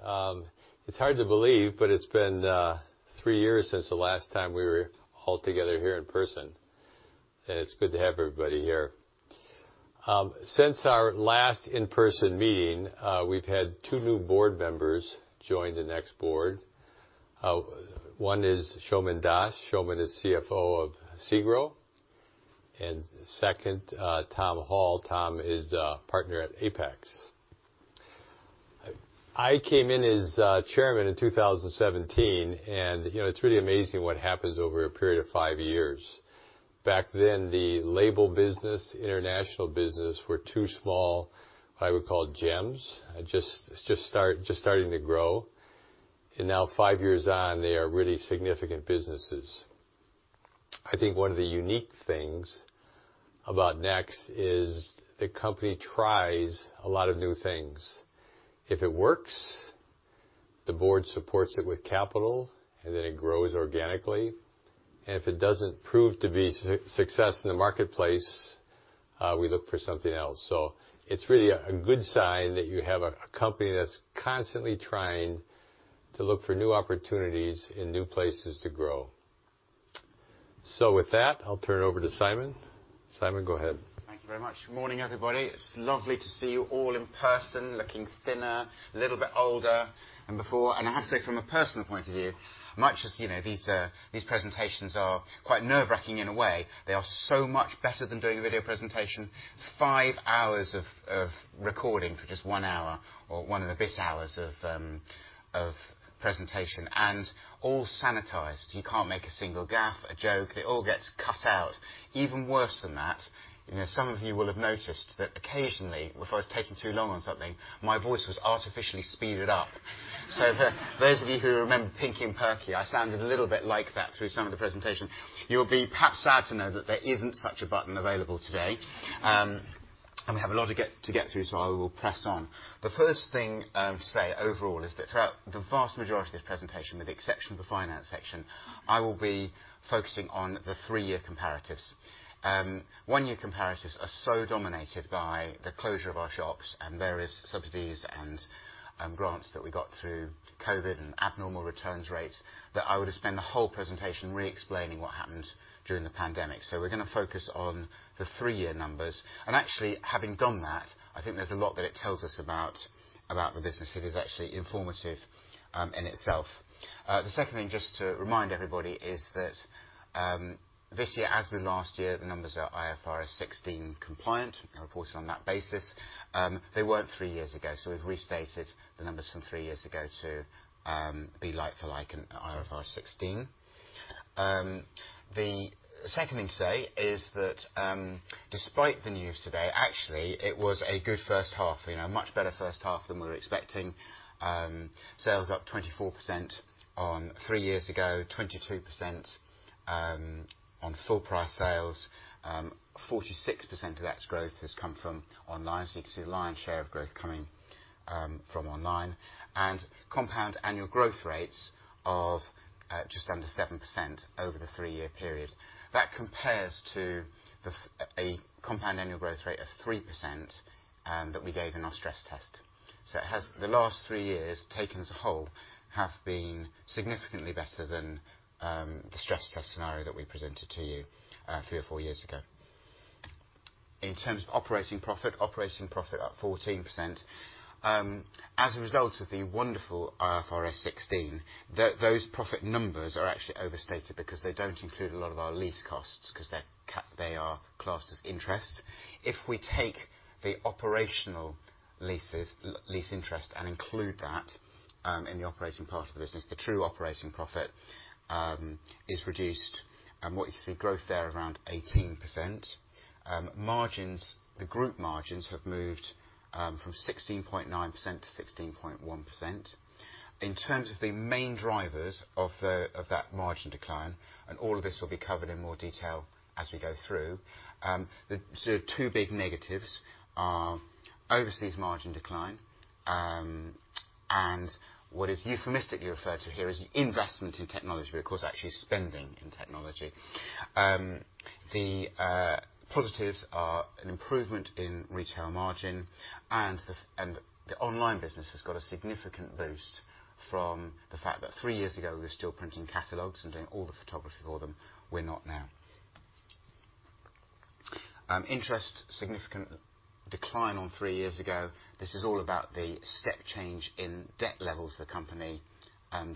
Good morning. It's hard to believe, but it's been three years since the last time we were all together here in person, and it's good to have everybody here. Since our last in-person meeting, we've had two new board members join the NEXT board. One is Soumen Das. Soumen is CFO of SEGRO, and second, Tom Hall. Tom is a partner at Apax. I came in as chairman in 2017, and, you know, it's really amazing what happens over a period of five years. Back then, the label business, international business were two small, I would call gems, just starting to grow. Now five years on, they are really significant businesses. I think one of the unique things about NEXT is the company tries a lot of new things. If it works, the board supports it with capital, and then it grows organically. If it doesn't prove to be success in the marketplace, we look for something else. It's really a good sign that you have a company that's constantly trying to look for new opportunities and new places to grow. With that, I'll turn it over to Simon. Simon, go ahead. Thank you very much. Morning, everybody. It's lovely to see you all in person, looking thinner, a little bit older than before. I have to say from a personal point of view, much as, you know, these presentations are quite nerve-wracking in a way, they are so much better than doing a video presentation. It's five hours of recording for just one hour or one and a bit hours of presentation and all sanitized. You can't make a single gaffe, a joke. It all gets cut out. Even worse than that, you know, some of you will have noticed that occasionally, if I was taking too long on something, my voice was artificially speeded up. For those of you who remember Pinky and Perky, I sounded a little bit like that through some of the presentation. You'll be perhaps sad to know that there isn't such a button available today. We have a lot to get through, so I will press on. The first thing to say overall is that throughout the vast majority of this presentation, with the exception of the finance section, I will be focusing on the three-year comparatives. One-year comparatives are so dominated by the closure of our shops and various subsidies and grants that we got through COVID and abnormal returns rates that I would have spent the whole presentation re-explaining what happened during the pandemic. We're gonna focus on the three-year numbers. Actually, having done that, I think there's a lot that it tells us about the business that is actually informative in itself. The second thing, just to remind everybody, is that, this year, as with last year, the numbers are IFRS 16 compliant. We're reporting on that basis. They weren't three years ago, so we've restated the numbers from three years ago to, be like for like in IFRS 16. The second thing to say is that, despite the news today, actually, it was a good first half. You know, a much better first half than we were expecting. Sales up 24% on three years ago, 22% on full price sales. 46% of that growth has come from online, so you can see the lion's share of growth coming, from online. Compound annual growth rates of, just under 7% over the three-year period. That compares to a compound annual growth rate of 3% that we gave in our stress test. The last three years, taken as a whole, have been significantly better than the stress test scenario that we presented to you three or four years ago. In terms of operating profit, operating profit up 14%. As a result of the wonderful IFRS 16, those profit numbers are actually overstated because they don't include a lot of our lease costs 'cause they are classed as interest. If we take the operational leases, lease interest, and include that in the operating part of the business, the true operating profit is reduced. What you see, growth there around 18%. Margins, the group margins have moved from 16.9% to 16.1%. In terms of the main drivers of that margin decline, all of this will be covered in more detail as we go through, two big negatives are overseas margin decline, and what is euphemistically referred to here as investment in technology, but of course actually spending in technology. The positives are an improvement in retail margin and the online business has got a significant boost from the fact that three years ago, we were still printing catalogs and doing all the photography for them. We're not now. Interest, significant decline on three years ago. This is all about the step change in debt levels the company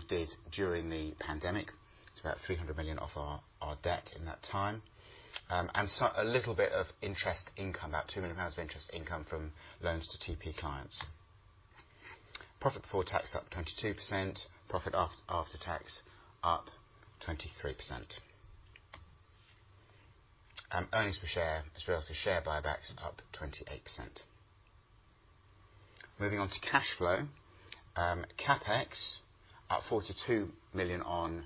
did during the pandemic. It's about 300 million of our debt in that time. A little bit of interest income, about 2 million pounds of interest income from loans to TP clients. Profit before tax up 22%. Profit after tax up 23%. Earnings per share as well. Share buybacks up 28%. Moving on to cash flow. CapEx up 42 million on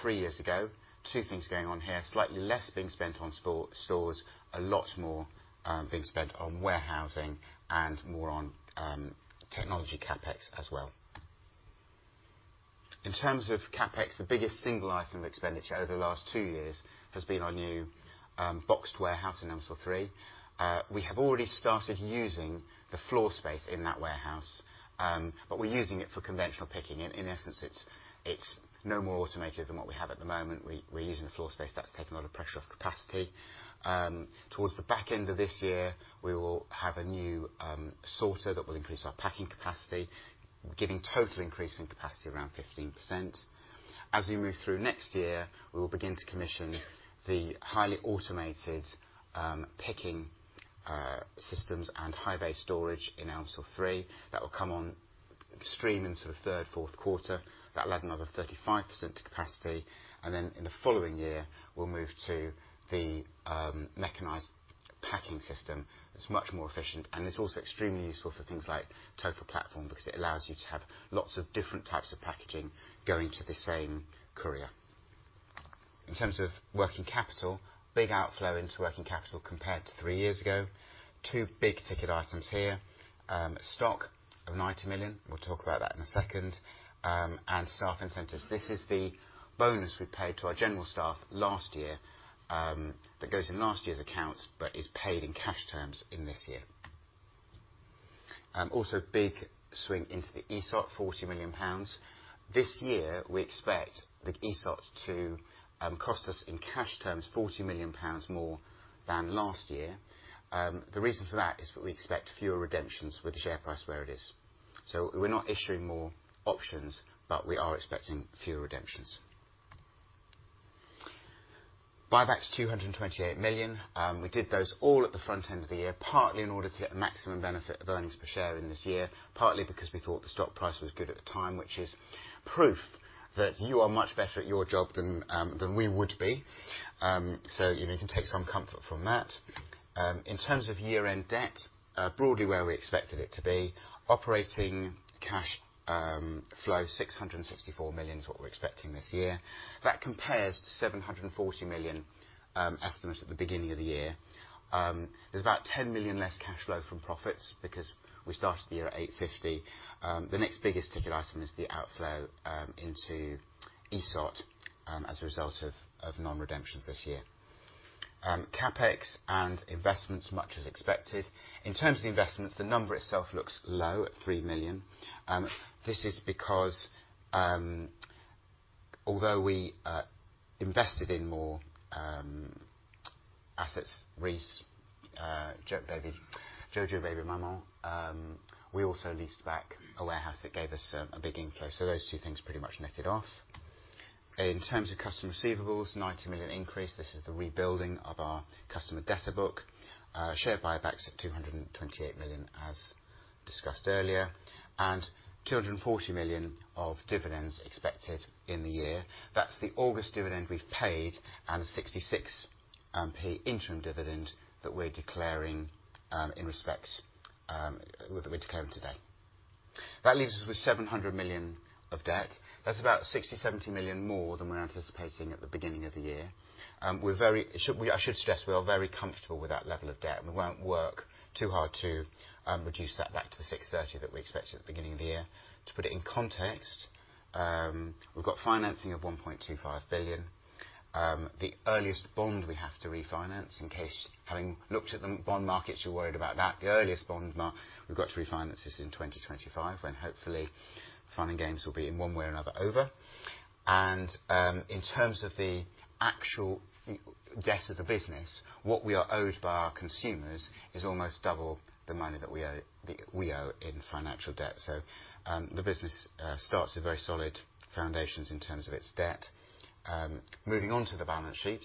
three years ago. Two things going on here. Slightly less being spent on stores, a lot more being spent on warehousing and more on technology CapEx as well. In terms of CapEx, the biggest single item of expenditure over the last two years has been our new box warehouse in Elmsall 3. We have already started using the floor space in that warehouse, but we're using it for conventional picking. In essence, it's no more automated than what we have at the moment. We're using the floor space. That's taken a lot of pressure off capacity. Towards the back end of this year, we will have a new sorter that will increase our packing capacity, giving total increase in capacity around 15%. As we move through next year, we will begin to commission the highly automated picking systems and high bay storage in Elmsall 3. That will come on stream into the third, fourth quarter. That'll add another 35% to capacity. In the following year, we'll move to the mechanized packing system. It's much more efficient, and it's also extremely useful for things like Total Platform because it allows you to have lots of different types of packaging going to the same courier. In terms of working capital, big outflow into working capital compared to three years ago. Two big-ticket items here. Stock of 90 million, we'll talk about that in a second, and staff incentives. This is the bonus we paid to our general staff last year, that goes in last year's accounts but is paid in cash terms in this year. Also big swing into the ESOP, 40 million pounds. This year we expect the ESOP to cost us in cash terms 40 million pounds more than last year. The reason for that is that we expect fewer redemptions with the share price where it is. We're not issuing more options, but we are expecting fewer redemptions. Buybacks, 228 million. We did those all at the front end of the year, partly in order to get the maximum benefit of earnings per share in this year, partly because we thought the stock price was good at the time, which is proof that you are much better at your job than we would be. You know, you can take some comfort from that. In terms of year-end debt, broadly where we expected it to be. Operating cash flow, 664 million is what we're expecting this year. That compares to 740 million estimate at the beginning of the year. There's about 10 million less cash flow from profits because we started the year at 850. The next biggest-ticket item is the outflow into ESOP as a result of non-redemptions this year. CapEx and investments, much as expected. In terms of the investments, the number itself looks low at 3 million. This is because, although we invested in more assets, Reiss, JoJo Maman Bébé, we also leased back a warehouse that gave us a big inflow. Those two things pretty much netted off. In terms of customer receivables, 90 million increase. This is the rebuilding of our customer debtor book. Share buybacks at 228 million, as discussed earlier, and 240 million of dividends expected in the year. That's the August dividend we've paid and a 66-pence interim dividend that we're declaring in respect that we're declaring today. That leaves us with 700 million of debt. That's about 60 million-70 million more than we're anticipating at the beginning of the year. I should stress, we are very comfortable with that level of debt, and we won't work too hard to reduce that back to the 630 that we expected at the beginning of the year. To put it in context, we've got financing of 1.25 billion. The earliest bond we have to refinance in case, having looked at the bond markets, you're worried about that. The earliest bond we've got to refinance this in 2025 when hopefully fun and games will be in one way or another over. In terms of the actual debt of the business, what we are owed by our consumers is almost double the money that we owe in financial debt. The business starts with very solid foundations in terms of its debt. Moving on to the balance sheet.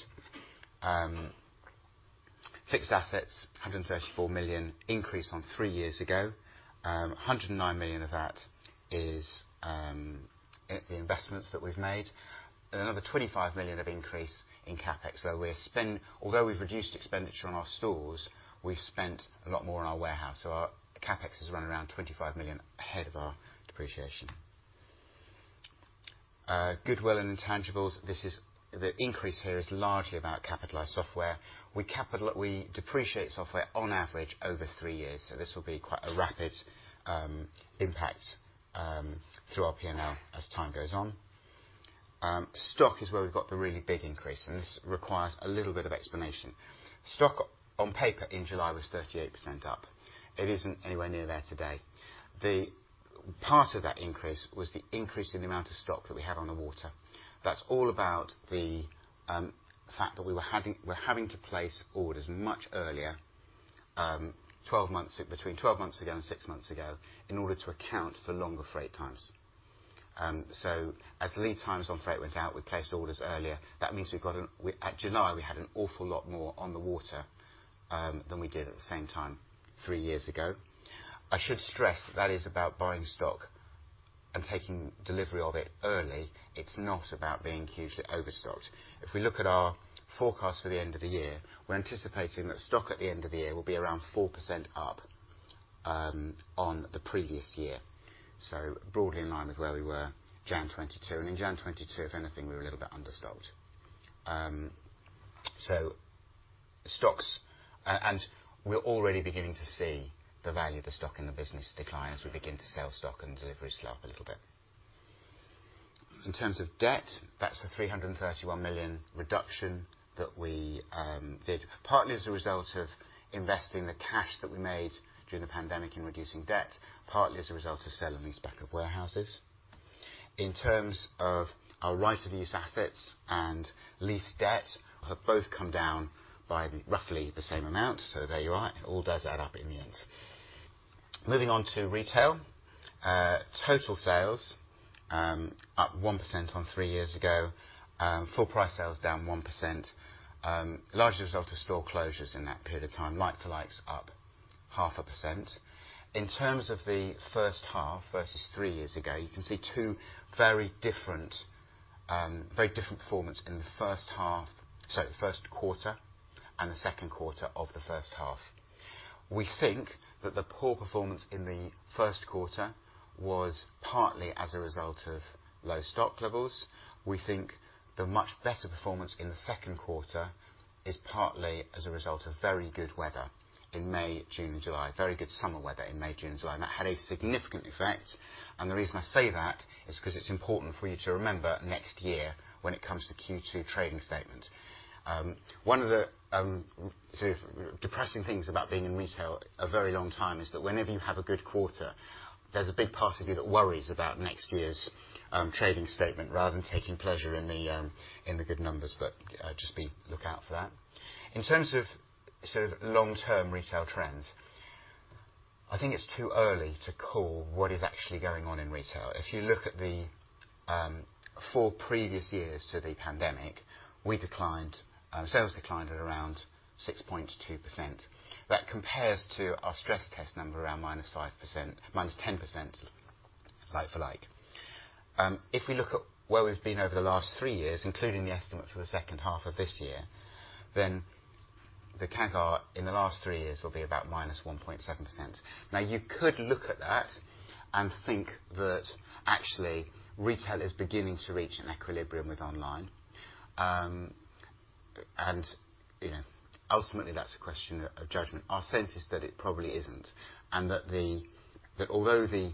Fixed assets, 134 million increase on three years ago. 109 million of that is the investments that we've made. Another 25 million of increase in CapEx, although we've reduced expenditure on our stores, we've spent a lot more on our warehouse. Our CapEx is running around 25 million ahead of our depreciation. Goodwill and intangibles. The increase here is largely about capitalized software. We depreciate software on average over three years, so this will be quite a rapid impact through our P&L as time goes on. Stock is where we've got the really big increase, and this requires a little bit of explanation. Stock on paper in July was 38% up. It isn't anywhere near there today. The Part of that increase was the increase in the amount of stock that we had on the water. That's all about the fact that we're having to place orders much earlier, 12 months, between 12 months ago and 6 months ago, in order to account for longer freight times. As lead times on freight went out, we placed orders earlier. That means in July we had an awful lot more on the water than we did at the same time 3 years ago. I should stress that is about buying stock and taking delivery of it early. It's not about being hugely overstocked. If we look at our forecast for the end of the year, we're anticipating that stock at the end of the year will be around 4% up on the previous year. Broadly in line with where we were January 2022. In January 2022, if anything, we were a little bit understocked. Stocks. We're already beginning to see the value of the stock in the business decline as we begin to sell stock and deliveries slow up a little bit. In terms of debt, that's the 331 million reduction that we did partly as a result of investing the cash that we made during the pandemic in reducing debt, partly as a result of sale and leaseback of warehouses. In terms of our right-of-use assets and lease debt have both come down by roughly the same amount. There you are. It all does add up in the end. Moving on to retail. Total sales up 1% on three years ago. Full price sales down 1%, largely a result of store closures in that period of time. Like-for-likes up 0.5%. In terms of the first half versus three years ago, you can see two very different performance in the first half. Sorry, the first quarter and the second quarter of the first half. We think that the poor performance in the first quarter was partly as a result of low stock levels. We think the much better performance in the second quarter is partly as a result of very good weather in May, June, July. Very good summer weather in May, June, July. That had a significant effect. The reason I say that is 'cause it's important for you to remember next year when it comes to Q2 trading statement. One of the sort of depressing things about being in retail a very long time is that whenever you have a good quarter, there's a big part of you that worries about next year's trading statement rather than taking pleasure in the good numbers. Just look out for that. In terms of sort of long-term retail trends, I think it's too early to call what is actually going on in retail. If you look at the four previous years to the pandemic, sales declined at around 6.2%. That compares to our stress test number around minus 10% like-for-like. If we look at where we've been over the last three years, including the estimate for the second half of this year, then the CAGR in the last three years will be about minus 1.7%. Now, you could look at that and think that actually retail is beginning to reach an equilibrium with online. You know, ultimately, that's a question of judgment. Our sense is that it probably isn't, and that although the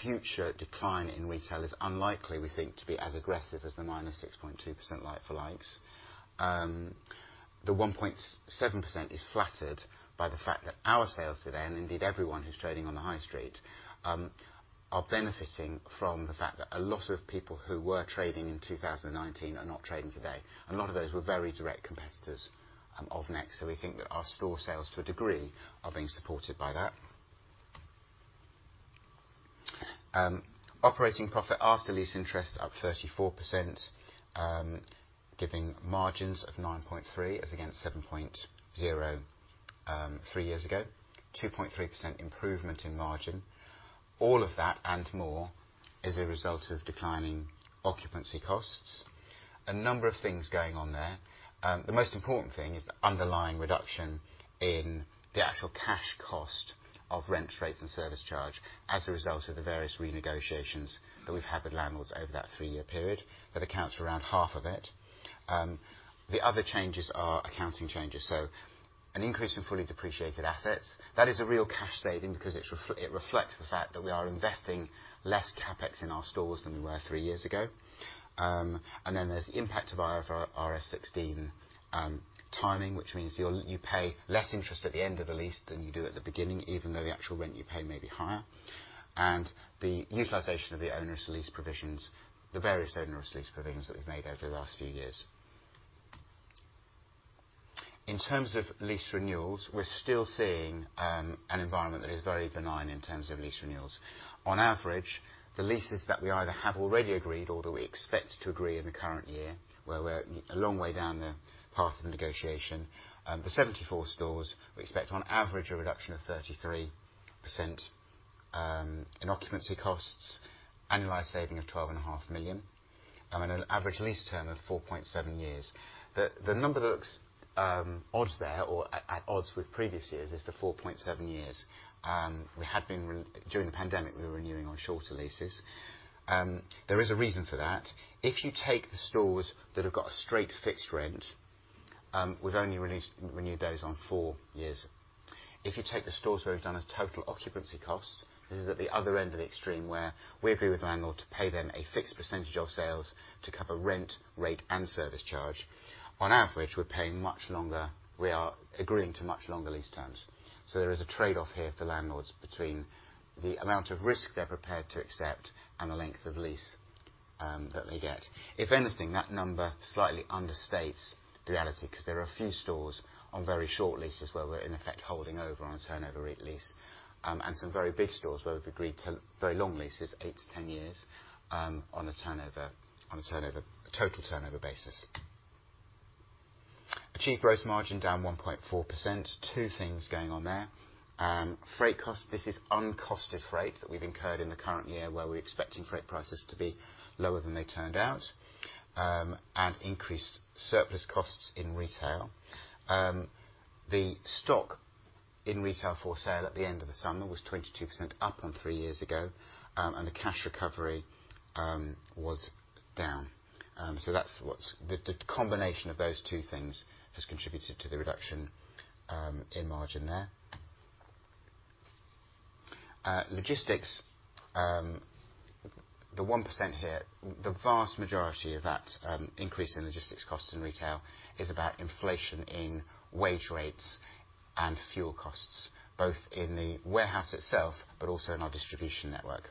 future decline in retail is unlikely, we think to be as aggressive as the minus 6.2% like-for-likes, the 1.7% is flattered by the fact that our sales today, and indeed everyone who's trading on the high street, are benefiting from the fact that a lot of people who were trading in 2019 are not trading today. A lot of those were very direct competitors of NEXT. We think that our store sales, to a degree, are being supported by that. Operating profit after lease interest up 34%, giving margins of 9.3 as against 7.0 three years ago. 2.3% improvement in margin. All of that and more is a result of declining occupancy costs. A number of things going on there. The most important thing is the underlying reduction in the actual cash cost of rent, rates, and service charge as a result of the various renegotiations that we've had with landlords over that three-year period. That accounts for around half of it. The other changes are accounting changes. An increase in fully depreciated assets, that is a real cash saving because it reflects the fact that we are investing less CapEx in our stores than we were three years ago. Then there's the impact of IFRS 16 timing, which means you pay less interest at the end of the lease than you do at the beginning, even though the actual rent you pay may be higher. The utilization of the owner's lease provisions, the various owner's lease provisions that we've made over the last few years. In terms of lease renewals, we're still seeing an environment that is very benign in terms of lease renewals. On average, the leases that we either have already agreed or that we expect to agree in the current year, where we're a long way down the path of negotiation, the 74 stores, we expect on average a reduction of 33% in occupancy costs, annualized saving of 12.5 million, and an average lease term of 4.7 years. The number that looks at odds with previous years is the 4.7 years. During the pandemic, we were renewing on shorter leases. There is a reason for that. If you take the stores that have got a straight fixed rent, we've only renewed those on 4 years. If you take the stores where we've done a total occupancy cost, this is at the other end of the extreme where we agree with the landlord to pay them a fixed percentage of sales to cover rent, rate, and service charge. On average, we are agreeing to much longer lease terms. There is a trade-off here for landlords between the amount of risk they're prepared to accept and the length of lease that they get. If anything, that number slightly understates the reality 'cause there are a few stores on very short leases where we're in effect holding over on a turnover lease. Some very big stores where we've agreed to very long leases, 8-10 years, on a total turnover basis. Achieved gross margin down 1.4%. Two things going on there. Freight cost. This is uncosted freight that we've incurred in the current year where we're expecting freight prices to be lower than they turned out. Increased surplus costs in retail. The stock in retail for sale at the end of the summer was 22% up on three years ago, and the cash recovery was down. That's the combination of those two things has contributed to the reduction in margin there. Logistics, the 1% here, the vast majority of that increase in logistics costs in retail is about inflation in wage rates and fuel costs, both in the warehouse itself, but also in our distribution network.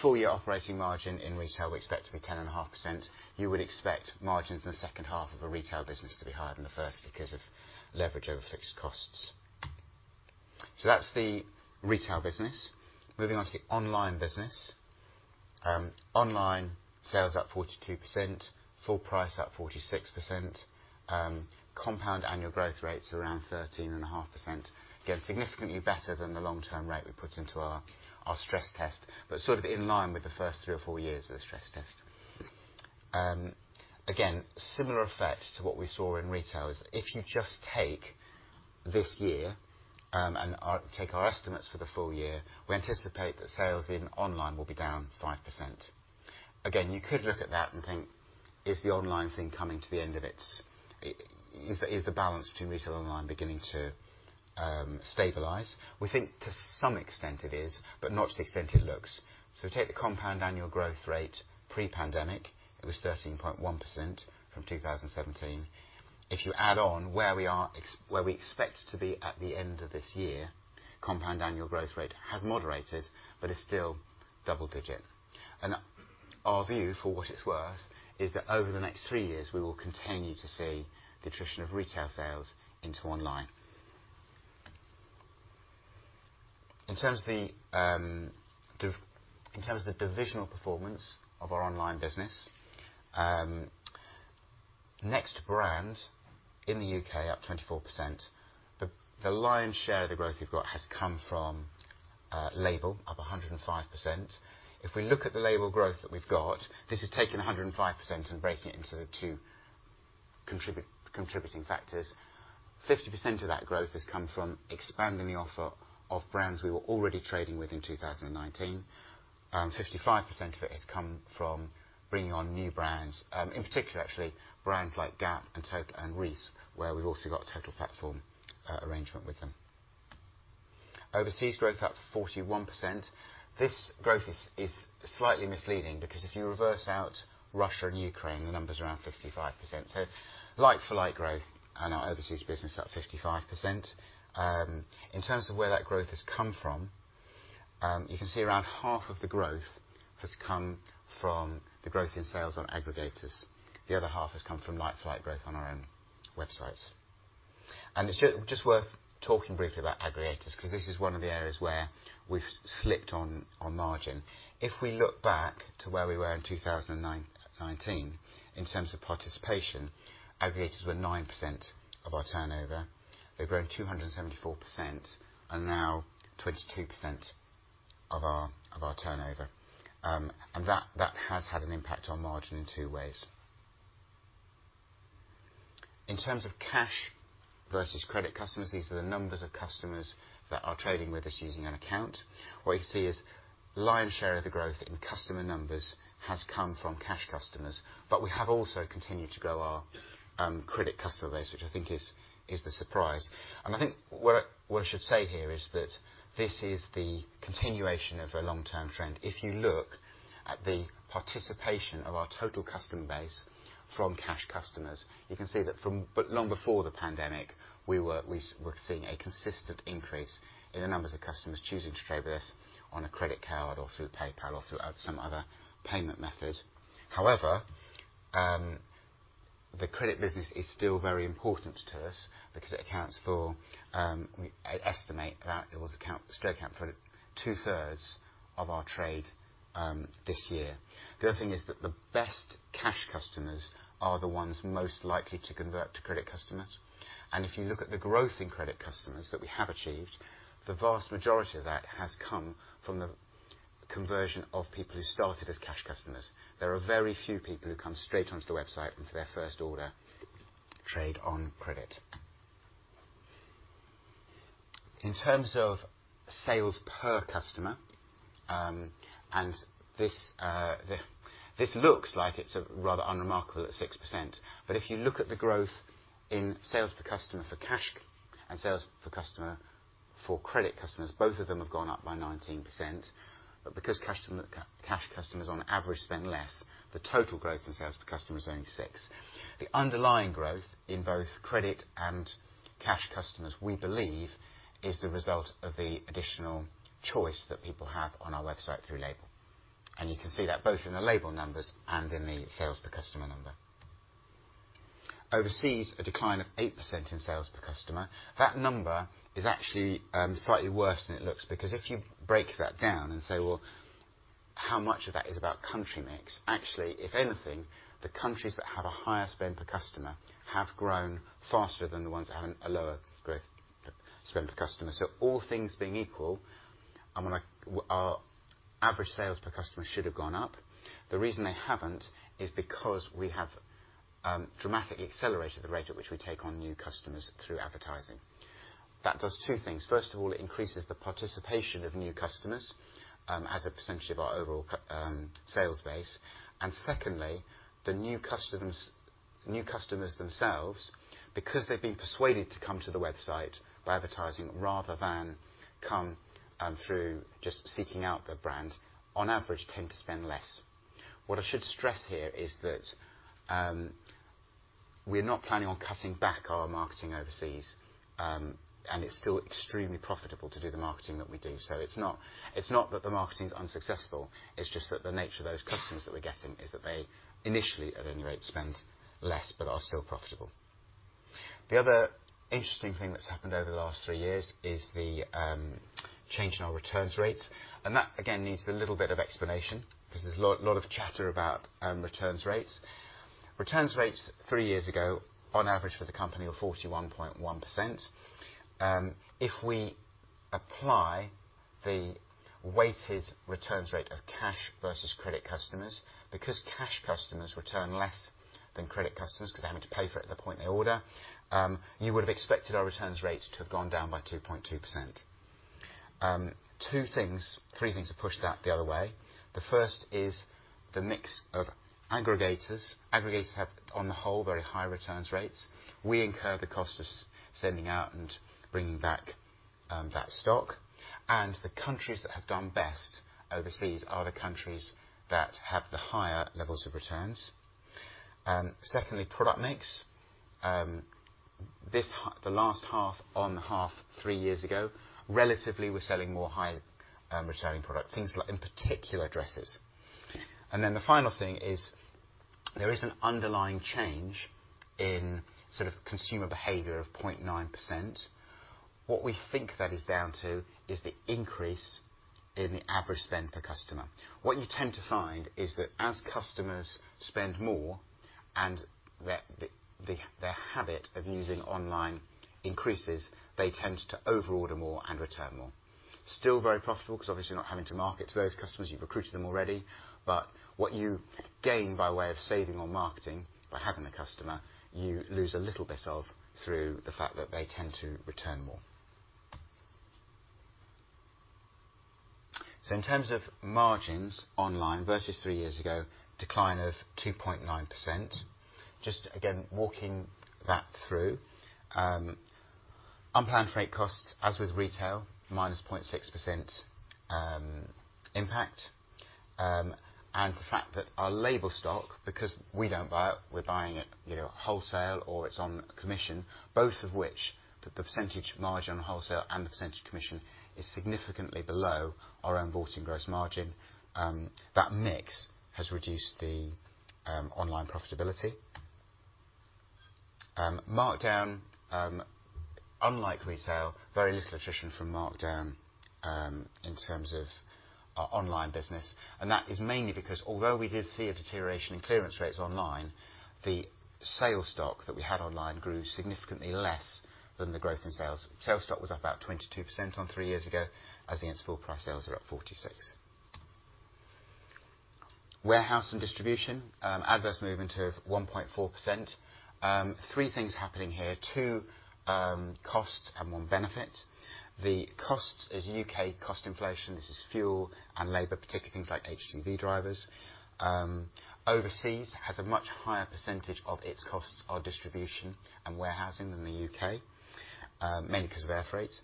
Full year operating margin in retail we expect to be 10.5%. You would expect margins in the second half of the retail business to be higher than the first because of leverage over fixed costs. That's the retail business. Moving on to the online business. Online sales up 42%, full price up 46%, compound annual growth rates around 13.5%. Again, significantly better than the long-term rate we put into our stress test, but sort of in line with the first three or four years of the stress test. Again, similar effect to what we saw in retail is if you just take this year and take our estimates for the full year, we anticipate that sales in online will be down 5%. Again, you could look at that and think, "Is the online thing coming to the end of its? Is the balance between retail and online beginning to stabilize?" We think to some extent it is, but not to the extent it looks. Take the compound annual growth rate pre-pandemic, it was 13.1% from 2017. If you add on where we are where we expect to be at the end of this year, compound annual growth rate has moderated, but is still double-digit. Our view, for what it's worth, is that over the next three years, we will continue to see the attrition of retail sales into online. In terms of the divisional performance of our online business, NEXT brand in the U.K. up 24%. The lion's share of the growth we've got has come from LABEL, up 105%. If we look at the LABEL growth that we've got, this is taking 105% and breaking it into the two contributing factors. 50% of that growth has come from expanding the offer of brands we were already trading with in 2019. 55% of it has come from bringing on new brands, in particular, actually, brands like Gap and Total and Reiss, where we've also got a Total Platform arrangement with them. Overseas growth up 41%. This growth is slightly misleading because if you reverse out Russia and Ukraine, the numbers are around 55%. Like-for-like growth in our overseas business up 55%. In terms of where that growth has come from, you can see around half of the growth has come from the growth in sales on aggregators. The other half has come from like-for-like growth on our own websites. It's just worth talking briefly about aggregators because this is one of the areas where we've slipped on margin. If we look back to where we were in 2019 in terms of participation, aggregators were 9% of our turnover. They've grown 274% and now 22% of our turnover. That has had an impact on margin in two ways. In terms of cash versus credit customers, these are the numbers of customers that are trading with us using an account. What you can see is lion's share of the growth in customer numbers has come from cash customers, but we have also continued to grow our credit customer base, which I think is the surprise. I think what I should say here is that this is the continuation of a long-term trend. If you look at the participation of our total customer base from cash customers, you can see that from long before the pandemic, we were seeing a consistent increase in the numbers of customers choosing to trade with us on a credit card or through PayPal or through some other payment method. However, the credit business is still very important to us because I estimate that it will still account for two-thirds of our trade this year. The other thing is that the best cash customers are the ones most likely to convert to credit customers. If you look at the growth in credit customers that we have achieved, the vast majority of that has come from the conversion of people who started as cash customers. There are very few people who come straight onto the website and for their first order trade on credit. In terms of sales per customer, and this looks like it's rather unremarkable at 6%. If you look at the growth in sales per customer for cash and sales per customer for credit customers, both of them have gone up by 19%. Because cash customers on average spend less, the total growth in sales per customer is only 6%. The underlying growth in both credit and cash customers, we believe, is the result of the additional choice that people have on our website through LABEL. You can see that both in the LABEL numbers and in the sales per customer number. Overseas, a decline of 8% in sales per customer. That number is actually slightly worse than it looks because if you break that down and say, "Well, how much of that is about country mix?" Actually, if anything, the countries that have a higher spend per customer have grown faster than the ones that have a lower growth in spend per customer. All things being equal, our average sales per customer should have gone up. The reason they haven't is because we have dramatically accelerated the rate at which we take on new customers through advertising. That does two things. First of all, it increases the participation of new customers as a percentage of our overall customer base. Secondly, the new customers themselves, because they've been persuaded to come to the website by advertising rather than come through just seeking out the brand, on average, tend to spend less. What I should stress here is that we're not planning on cutting back our marketing overseas, and it's still extremely profitable to do the marketing that we do. It's not that the marketing is unsuccessful, it's just that the nature of those customers that we're getting is that they initially, at any rate, spend less but are still profitable. The other interesting thing that's happened over the last three years is the change in our returns rates. That, again, needs a little bit of explanation because there's a lot of chatter about returns rates. Return rates three years ago, on average for the company, were 41.1%. If we apply the weighted return rates of cash versus credit customers, because cash customers return less than credit customers because they're having to pay for it at the point they order, you would have expected our returns rate to have gone down by 2.2%. Two things, three things have pushed that the other way. The first is the mix of aggregators. Aggregators have, on the whole, very high returns rates. We incur the cost of sending out and bringing back that stock. The countries that have done best overseas are the countries that have the higher levels of returns. Secondly, product mix. The last half-on-half three years ago, relatively, we're selling more high returning product, things like, in particular, dresses. The final thing is there is an underlying change in sort of consumer behavior of 0.9%. What we think that is down to is the increase in the average spend per customer. What you tend to find is that as customers spend more and their habit of using online increases, they tend to over-order more and return more. Still very profitable because obviously you're not having to market to those customers. You've recruited them already. But what you gain by way of saving on marketing by having the customer, you lose a little bit through the fact that they tend to return more. In terms of margins online versus three years ago, decline of 2.9%. Just again, walking that through, unplanned freight costs, as with retail, -0.6% impact. The fact that our LABEL stock, because we don't buy it, we're buying it, you know, wholesale or it's on commission, both of which, the percentage margin on wholesale and the percentage commission is significantly below our own bought-in gross margin. That mix has reduced the online profitability. Markdown, unlike retail, very little attrition from markdown in terms of our online business. That is mainly because although we did see a deterioration in clearance rates online, the sales stock that we had online grew significantly less than the growth in sales. Sales stock was up about 22% on three years ago as against full price sales are up 46. Warehouse and distribution, adverse movement of 1.4%. Three things happening here, two costs and one benefit. The costs is UK cost inflation. This is fuel and labor, particularly things like HGV drivers. Overseas has a much higher percentage of its costs are distribution and warehousing than the UK, mainly because of air freight.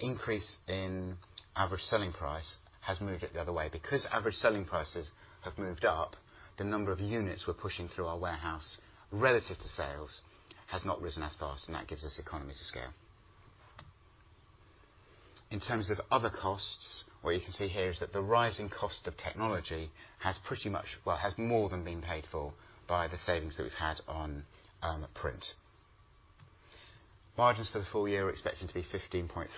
Increase in average selling price has moved it the other way. Because average selling prices have moved up, the number of units we're pushing through our warehouse relative to sales has not risen as fast, and that gives us economies of scale. In terms of other costs, what you can see here is that the rising cost of technology has pretty much well has more than been paid for by the savings that we've had on print. Margins for the full year are expected to be 15.3%,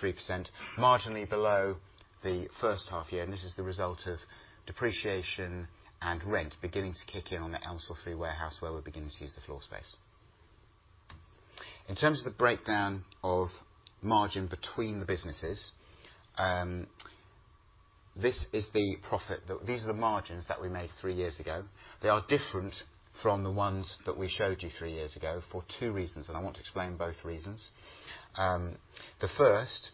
marginally below the first half year, and this is the result of depreciation and rent beginning to kick in on the Elmsall 3 warehouse where we're beginning to use the floor space. In terms of the breakdown of margin between the businesses, these are the margins that we made three years ago. They are different from the ones that we showed you three years ago for two reasons, and I want to explain both reasons. The first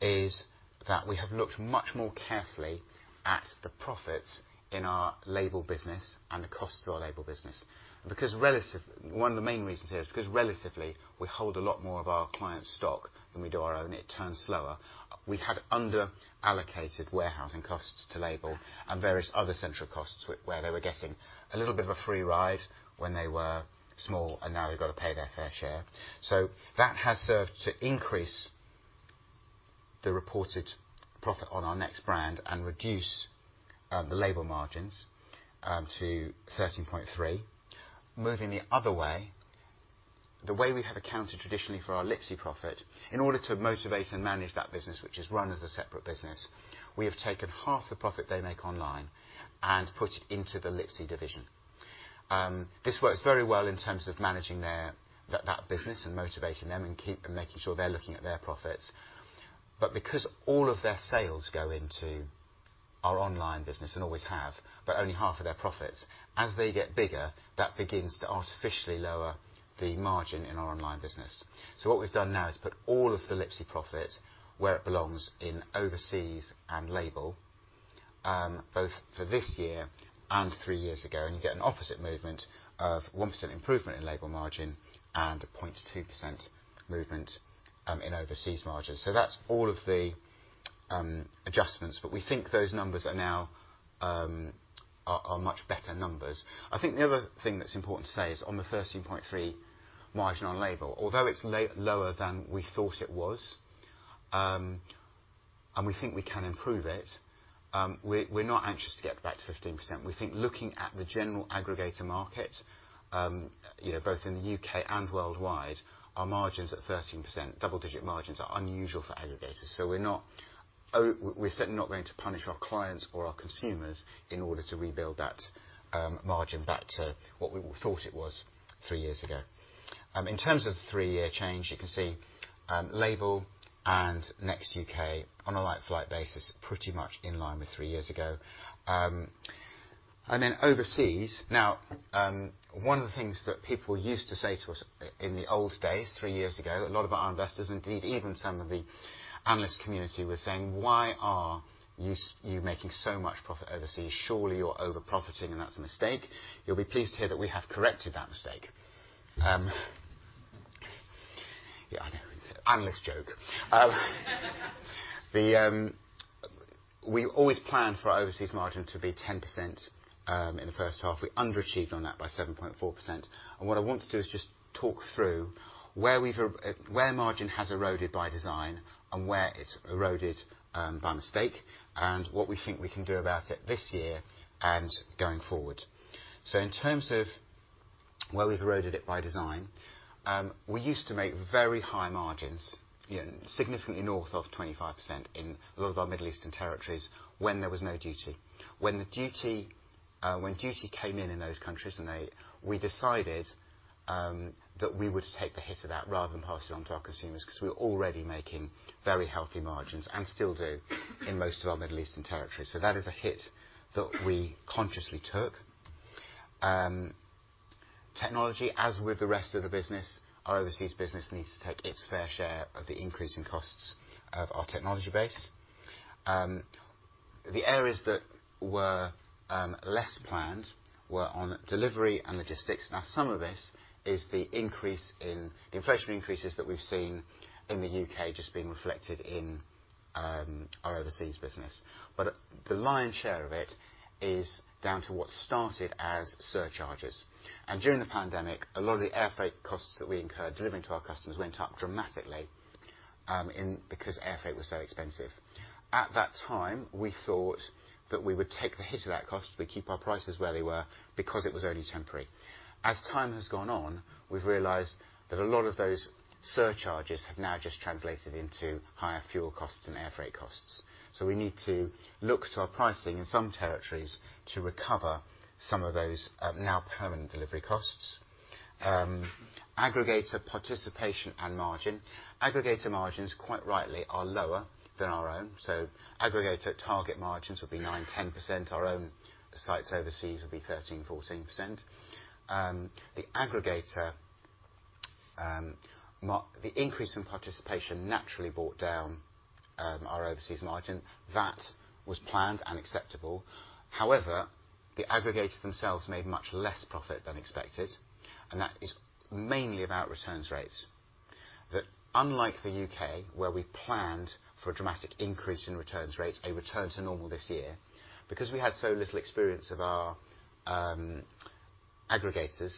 is that we have looked much more carefully at the profits in our label business and the costs to our label business. One of the main reasons here is because relatively, we hold a lot more of our client's stock than we do our own. It turns slower. We had underallocated warehousing costs to LABEL and various other central costs where they were getting a little bit of a free ride when they were small, and now they've got to pay their fair share. That has served to increase the reported profit on our NEXT brand and reduce the LABEL margins to 13.3%. Moving the other way, the way we have accounted traditionally for our Lipsy profit, in order to motivate and manage that business, which is run as a separate business, we have taken half the profit they make online and put it into the Lipsy division. This works very well in terms of managing their that business and motivating them and making sure they're looking at their profits. Because all of their sales go into our online business and always have, but only half of their profits. As they get bigger, that begins to artificially lower the margin in our online business. What we've done now is put all of the Lipsy profit where it belongs in overseas and LABEL, both for this year and three years ago, and you get an opposite movement of 1% improvement in LABEL margin and a 0.2% movement in overseas margins. That's all of the adjustments, but we think those numbers are now are much better numbers. I think the other thing that's important to say is on the 13.3 margin on LABEL, although it's lower than we thought it was, and we think we can improve it, we're not anxious to get back to 15%. We think looking at the general aggregator market, you know, both in the UK and worldwide, our margins at 13%, double-digit margins are unusual for aggregators. We're certainly not going to punish our clients or our consumers in order to rebuild that margin back to what we thought it was three years ago. In terms of three-year change, you can see, LABEL and NEXT UK on a like-for-like basis, pretty much in line with three years ago. And then overseas. Now, one of the things that people used to say to us in the old days, three years ago, a lot of our investors, indeed, even some of the analyst community were saying, "Why are you making so much profit overseas? Surely you're over profiting, and that's a mistake." You'll be pleased to hear that we have corrected that mistake. It's an analyst joke. We always plan for our overseas margin to be 10% in the first half. We underachieved on that by 7.4%. What I want to do is just talk through where we've where margin has eroded by design and where it's eroded by mistake, and what we think we can do about it this year and going forward. In terms of where we've eroded it by design, we used to make very high margins, you know, significantly north of 25% in a lot of our Middle Eastern territories when there was no duty. When the duty, when duty came in in those countries and they... We decided that we would take the hit of that rather than pass it on to our consumers because we were already making very healthy margins and still do in most of our Middle Eastern territories. That is a hit that we consciously took. Technology, as with the rest of the business, our overseas business needs to take its fair share of the increase in costs of our technology base. The areas that were less planned were on delivery and logistics. Now, some of this is the increase in inflation increases that we've seen in the U.K. just being reflected in our overseas business. The lion's share of it is down to what started as surcharges. During the pandemic, a lot of the airfreight costs that we incurred delivering to our customers went up dramatically because airfreight was so expensive. At that time, we thought that we would take the hit of that cost. We keep our prices where they were because it was only temporary. As time has gone on, we've realized that a lot of those surcharges have now just translated into higher fuel costs and airfreight costs. We need to look to our pricing in some territories to recover some of those, now permanent delivery costs. Aggregator participation and margin. Aggregator margins, quite rightly, are lower than our own. Aggregator target margins will be 9%-10%. Our own sites overseas will be 13%-14%. The increase in participation naturally brought down our overseas margin. That was planned and acceptable. However, the aggregators themselves made much less profit than expected, and that is mainly about returns rates. That, unlike the UK, where we planned for a dramatic increase in returns rates, a return to normal this year, because we had so little experience of our aggregators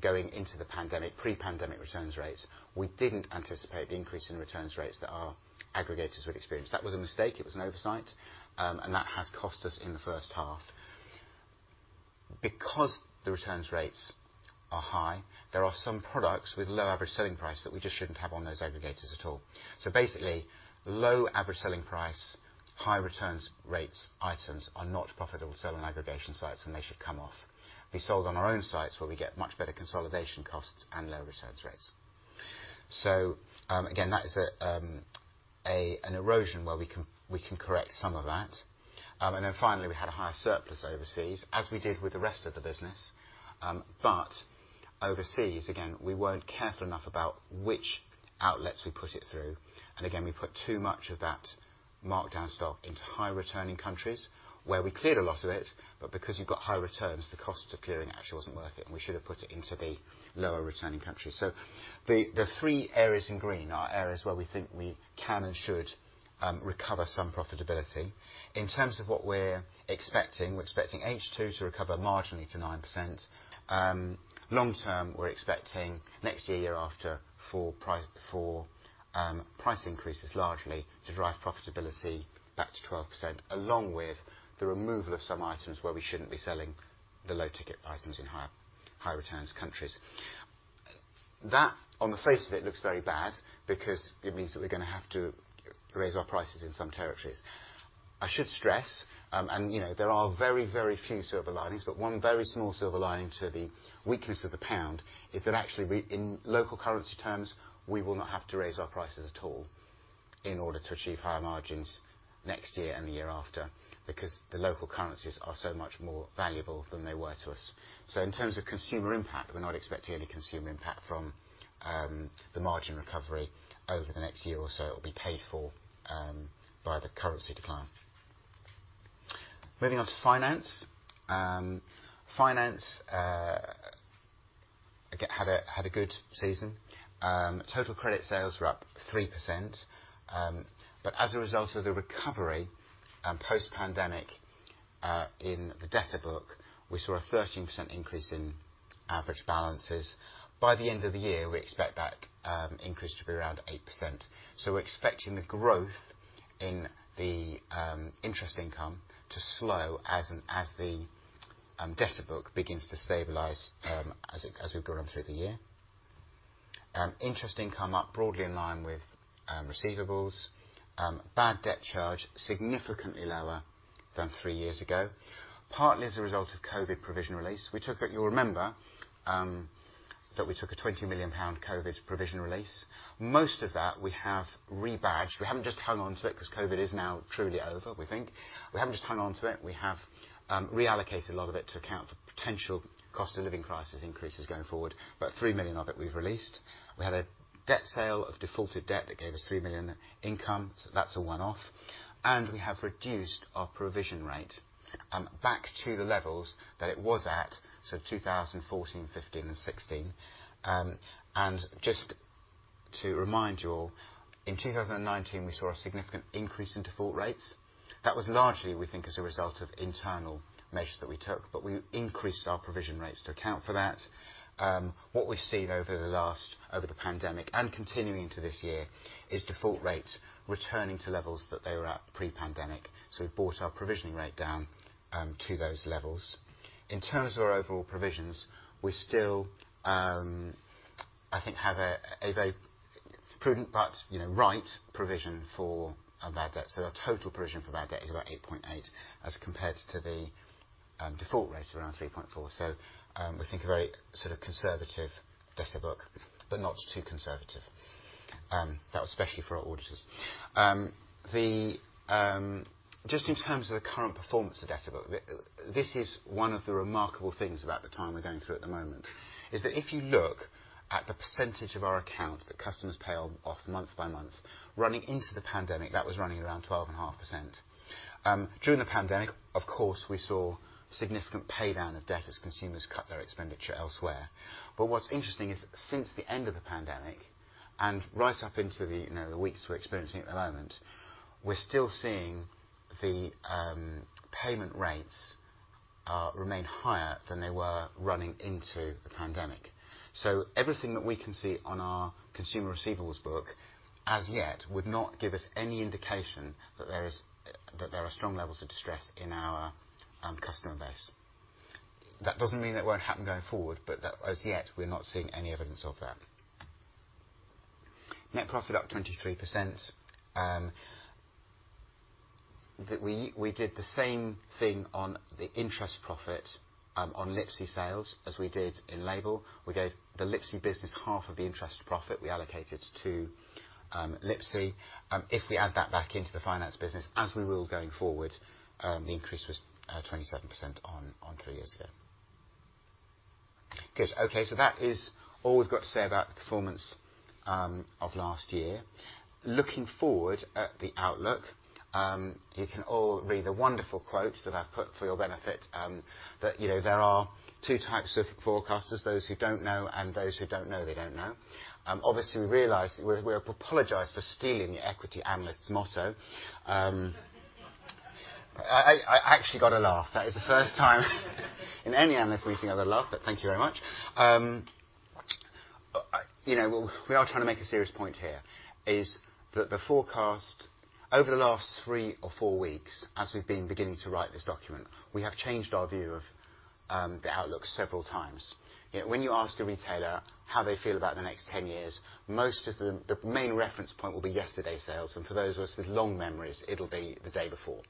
going into the pandemic, pre-pandemic returns rates, we didn't anticipate the increase in returns rates that our aggregators would experience. That was a mistake, it was an oversight, and that has cost us in the first half. Because the returns rates are high, there are some products with low average selling price that we just shouldn't have on those aggregators at all. Basically, low average selling price, high returns rates items are not profitable to sell on aggregation sites, and they should come off. We sold on our own sites where we get much better consolidation costs and lower returns rates. Again, that is an erosion where we can correct some of that. Finally, we had a higher surplus overseas, as we did with the rest of the business. Overseas, again, we weren't careful enough about which outlets we put it through. Again, we put too much of that markdown stock into high returning countries where we cleared a lot of it. Because you've got high returns, the cost of clearing actually wasn't worth it, and we should have put it into the lower returning countries. The three areas in green are areas where we think we can and should recover some profitability. In terms of what we're expecting, we're expecting H2 to recover marginally to 9%. Long term, we're expecting next year after, for price increases largely to drive profitability back to 12%, along with the removal of some items where we shouldn't be selling the low-ticket items in high returns countries. That on the face of it looks very bad because it means that we're gonna have to raise our prices in some territories. I should stress, and you know, there are very, very few silver linings, but one very small silver lining to the weakness of the pound is that actually we, in local currency terms, we will not have to raise our prices at all. In order to achieve higher margins next year and the year after, because the local currencies are so much more valuable than they were to us. In terms of consumer impact, we're not expecting any consumer impact from the margin recovery over the next year or so. It will be paid for by the currency decline. Moving on to finance. Finance had a good season. Total credit sales were up 3%. As a result of the recovery and post-pandemic in the debtor book, we saw a 13% increase in average balances. By the end of the year, we expect that increase to be around 8%. We're expecting the growth in the interest income to slow as the debtor book begins to stabilize as we've gone through the year. Interest income up broadly in line with receivables. Bad debt charge significantly lower than three years ago, partly as a result of COVID provision release. You'll remember that we took a 20 million pound COVID provision release. Most of that we have rebadged. We haven't just hung on to it because COVID is now truly over, we think. We haven't just hung on to it. We have reallocated a lot of it to account for potential cost of living crisis increases going forward, but 3 million of it we've released. We had a debt sale of defaulted debt that gave us 3 million income, so that's a one-off. We have reduced our provision rate back to the levels that it was at, so 2014, 2015, and 2016. Just to remind you all, in 2019, we saw a significant increase in default rates. That was largely, we think, as a result of internal measures that we took, but we increased our provision rates to account for that. What we've seen over the pandemic and continuing to this year is default rates returning to levels that they were at pre-pandemic. We've brought our provisioning rate down to those levels. In terms of our overall provisions, we still, I think, have a very prudent but, you know, right provision for our bad debt. Our total provision for bad debt is about 8.8% as compared to the default rate around 3.4%. We think a very sort of conservative debtor book, but not too conservative. That was especially for our auditors. Just in terms of the current performance of debtor book, this is one of the remarkable things about the time we're going through at the moment, is that if you look at the percentage of our account that customers pay off month by month, running into the pandemic, that was running around 12.5%. During the pandemic, of course, we saw significant pay down of debt as consumers cut their expenditure elsewhere. What's interesting is since the end of the pandemic and right up into the, you know, weeks we're experiencing at the moment, we're still seeing the payment rates remain higher than they were running into the pandemic. Everything that we can see on our consumer receivables book as yet would not give us any indication that there are strong levels of distress in our customer base. That doesn't mean that won't happen going forward, but that as yet, we're not seeing any evidence of that. Net profit up 23%. We did the same thing on the interest profit on Lipsy sales as we did in Label. We gave the Lipsy business half of the interest profit we allocated to Lipsy. If we add that back into the finance business, as we will going forward, the increase was 27% on three years ago. Good. Okay. That is all we've got to say about the performance of last year. Looking forward at the outlook, you can all read the wonderful quotes that I've put for your benefit, that, you know, there are two types of forecasters, those who don't know and those who don't know they don't know. Obviously, we realize, we apologize for stealing the equity analyst's motto. I actually got a laugh. That is the first time in any analyst meeting I've had a laugh. Thank you very much. You know, we are trying to make a serious point here is that the forecast over the last three or four weeks as we've been beginning to write this document, we have changed our view of the outlook several times. You know, when you ask a retailer how they feel about the next ten years, most of the main reference point will be yesterday's sales. For those of us with long memories, it'll be the day before.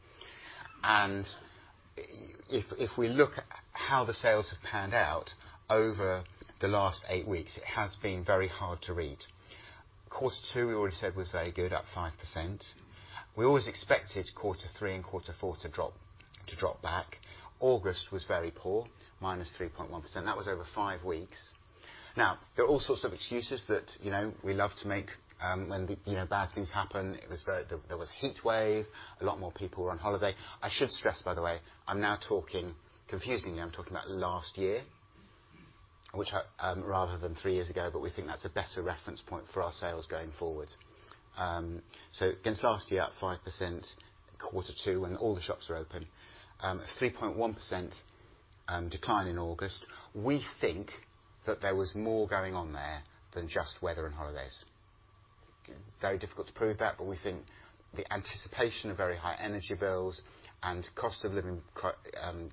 If we look at how the sales have panned out over the last 8 weeks, it has been very hard to read. Quarter two, we already said was very good, up 5%. We always expected quarter three and quarter four to drop back. August was very poor, minus 3.1%. That was over 5 weeks. Now, there are all sorts of excuses that, you know, we love to make when the, you know, bad things happen. It was very. There was a heatwave. A lot more people were on holiday. I should stress, by the way, I'm now talking, confusing you, I'm talking about last year, which I rather than three years ago, but we think that's a better reference point for our sales going forward. Against last year, up 5% quarter two, when all the shops were open. 3.1% decline in August. We think that there was more going on there than just weather and holidays. Very difficult to prove that, but we think the anticipation of very high energy bills and cost of living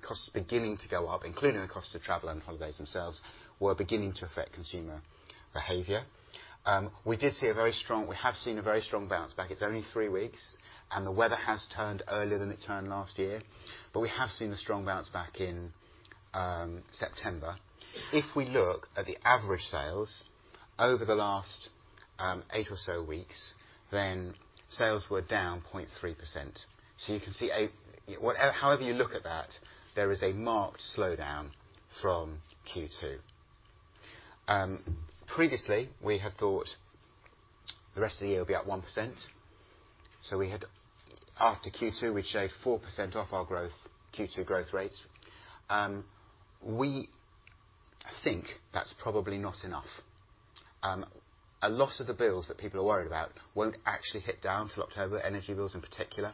costs beginning to go up, including the cost of travel and holidays themselves, were beginning to affect consumer behavior. We have seen a very strong bounce back. It's only 3 weeks. The weather has turned earlier than it turned last year, but we have seen a strong bounce back in September. If we look at the average sales over the last 8 or so weeks, then sales were down 0.3%. However you look at that, there is a marked slowdown from Q2. Previously, we had thought the rest of the year will be up 1%. After Q2, we shaved 4% off our growth, Q2 growth rates. We think that's probably not enough. A lot of the bills that people are worried about won't actually hit home till October, energy bills in particular.